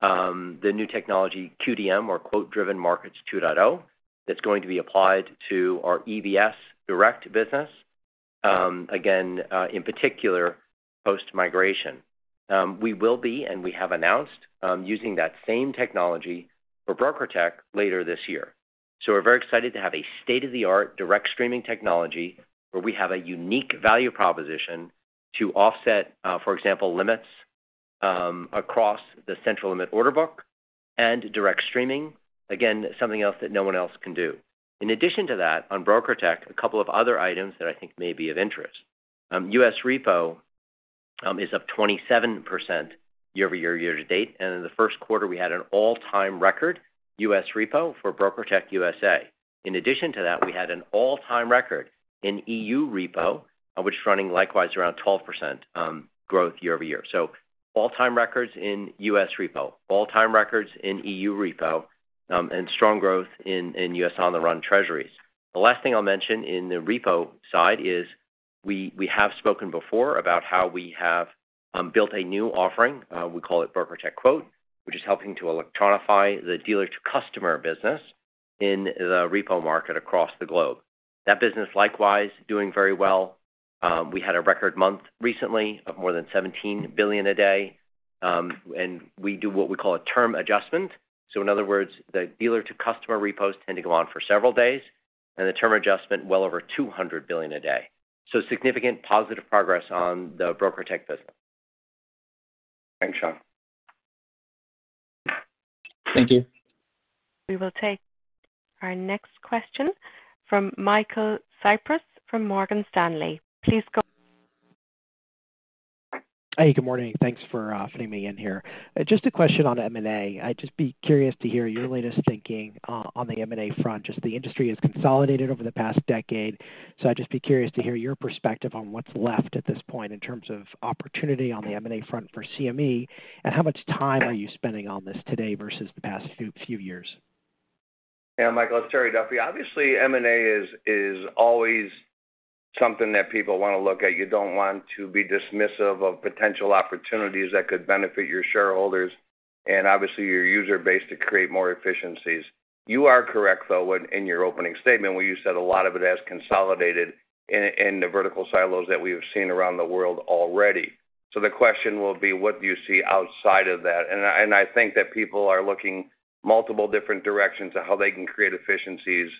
[SPEAKER 13] the new technology QDM or Quote Driven Markets 2.0, that's going to be applied to our EBS Direct business, again, in particular, post-migration. We will be, and we have announced, using that same technology for BrokerTec later this year. We're very excited to have a state-of-the-art direct streaming technology where we have a unique value proposition to offset, for example, limits, across the central limit order book and direct streaming. Again, something else that no one else can do. In addition to that, on BrokerTec, a couple of other items that I think may be of interest. U.S. repo is up 27% year-over-year, year-to-date, and in the first quarter, we had an all-time record U.S. repo for BrokerTec US. In addition to that, we had an all-time record in EU repo, which is running likewise around 12% growth year-over-year. All-time records in U.S. repo, all-time records in EU repo, and strong growth in U.S. on-the-run Treasuries. The last thing I'll mention in the repo side is we have spoken before about how we have built a new offering, we call it BrokerTec Quote, which is helping to electronify the dealer-to-customer business in the repo market across the globe. That business, likewise, doing very well. We had a record month recently of more than $17 billion a day, and we do what we call a term adjustment. In other words, the dealer-to-customer repos tend to go on for several days, and the term adjustment well over $200 billion a day. Significant positive progress on the BrokerTec business.
[SPEAKER 3] Thanks, Sean.
[SPEAKER 19] Thank you.
[SPEAKER 1] We will take our next question from Michael Cyprys from Morgan Stanley. Please go ahead.
[SPEAKER 20] Hi, good morning. Thanks for fitting me in here. Just a question on M&A. I'd just be curious to hear your latest thinking on the M&A front. Just the industry has consolidated over the past decade, so I'd just be curious to hear your perspective on what's left at this point in terms of opportunity on the M&A front for CME, and how much time are you spending on this today versus the past few years?
[SPEAKER 3] Yeah, Michael, it's Terry Duffy. Obviously, M&A is always something that people want to look at. You don't want to be dismissive of potential opportunities that could benefit your shareholders and obviously your user base to create more efficiencies. You are correct, though, in your opening statement, where you said a lot of it has consolidated in the vertical silos that we have seen around the world already. So the question will be, what do you see outside of that? I think that people are looking multiple different directions of how they can create efficiencies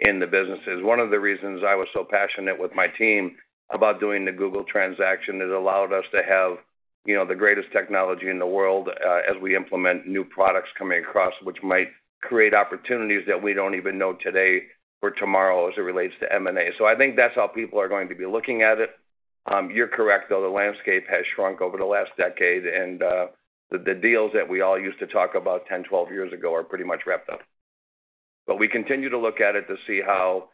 [SPEAKER 3] in the businesses. One of the reasons I was so passionate with my team about doing the Google transaction, it allowed us to have, you know, the greatest technology in the world, as we implement new products coming across, which might create opportunities that we don't even know today or tomorrow as it relates to M&A. I think that's how people are going to be looking at it. You're correct, though. The landscape has shrunk over the last decade, and the deals that we all used to talk about 10, 12 years ago are pretty much wrapped up. We continue to look at it to see how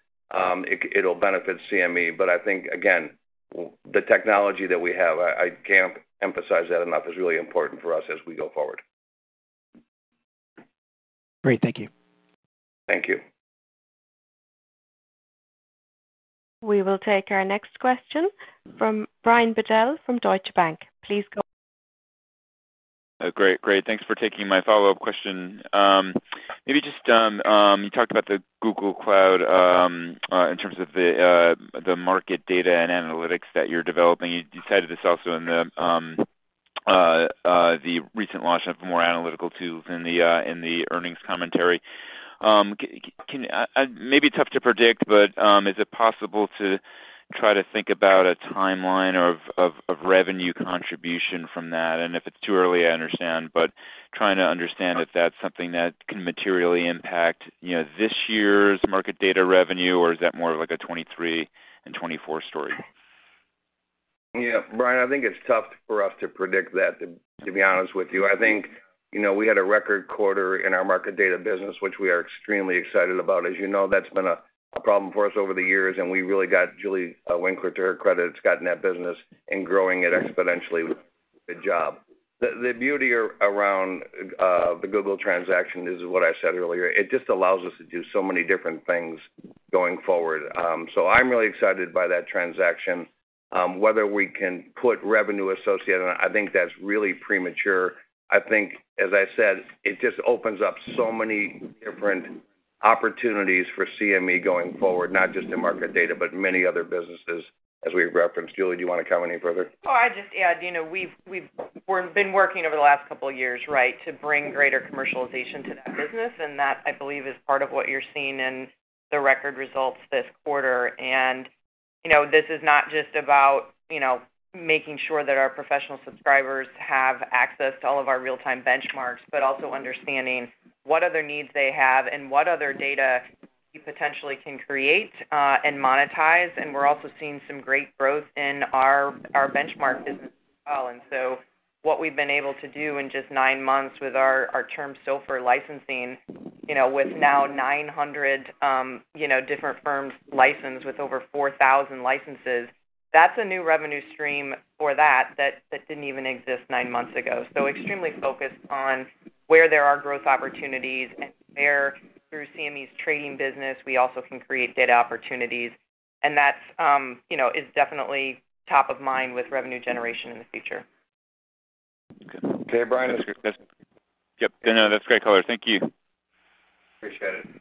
[SPEAKER 3] it'll benefit CME. I think, again, the technology that we have, I can't emphasize that enough, is really important for us as we go forward.
[SPEAKER 20] Great. Thank you.
[SPEAKER 3] Thank you.
[SPEAKER 1] We will take our next question from Brian Bedell from Deutsche Bank. Please go ahead.
[SPEAKER 11] Oh, great. Thanks for taking my follow-up question. Maybe just, you talked about the Google Cloud, in terms of the market data and analytics that you're developing. You discussed this also in the recent launch of more analytical tools in the earnings commentary. Maybe tough to predict, but is it possible to try to think about a timeline of revenue contribution from that? If it's too early, I understand. Trying to understand if that's something that can materially impact, you know, this year's market data revenue, or is that more of like a 2023 and 2024 story?
[SPEAKER 3] Yeah, Brian, I think it's tough for us to predict that, to be honest with you. I think, you know, we had a record quarter in our market data business, which we are extremely excited about. As you know, that's been a problem for us over the years, and we really got Julie Winkler, to her credit, has gotten that business and growing it exponentially. Good job. The beauty around the Google transaction is what I said earlier. It just allows us to do so many different things going forward. So I'm really excited by that transaction. Whether we can put revenue associated, I think that's really premature. I think, as I said, it just opens up so many different opportunities for CME going forward, not just in market data, but many other businesses as we referenced. Julie, do you wanna comment any further?
[SPEAKER 9] Oh, I'd just add, you know, we've been working over the last couple years, right, to bring greater commercialization to that business, and that, I believe, is part of what you're seeing in the record results this quarter. You know, this is not just about, you know, making sure that our professional subscribers have access to all of our real-time benchmarks, but also understanding what other needs they have and what other data you potentially can create and monetize. We're also seeing some great growth in our benchmark business as well. What we've been able to do in just nine months with our Term SOFR licensing, you know, with now 900 different firms licensed with over 4,000 licenses, that's a new revenue stream for that that didn't even exist nine months ago. Extremely focused on where there are growth opportunities and where, through CME's trading business, we also can create data opportunities. That's, you know, is definitely top of mind with revenue generation in the future.
[SPEAKER 3] Okay. Brian.
[SPEAKER 11] Yep, no, that's great color. Thank you.
[SPEAKER 3] Appreciate it.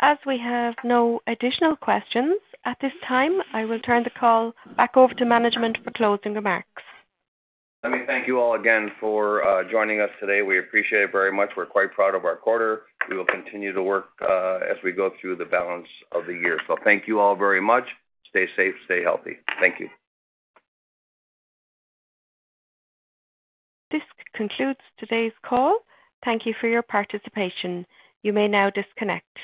[SPEAKER 1] As we have no additional questions at this time, I will turn the call back over to management for closing remarks.
[SPEAKER 3] Let me thank you all again for joining us today. We appreciate it very much. We're quite proud of our quarter. We will continue to work as we go through the balance of the year. Thank you all very much. Stay safe. Stay healthy. Thank you.
[SPEAKER 1] This concludes today's call. Thank you for your participation. You may now disconnect.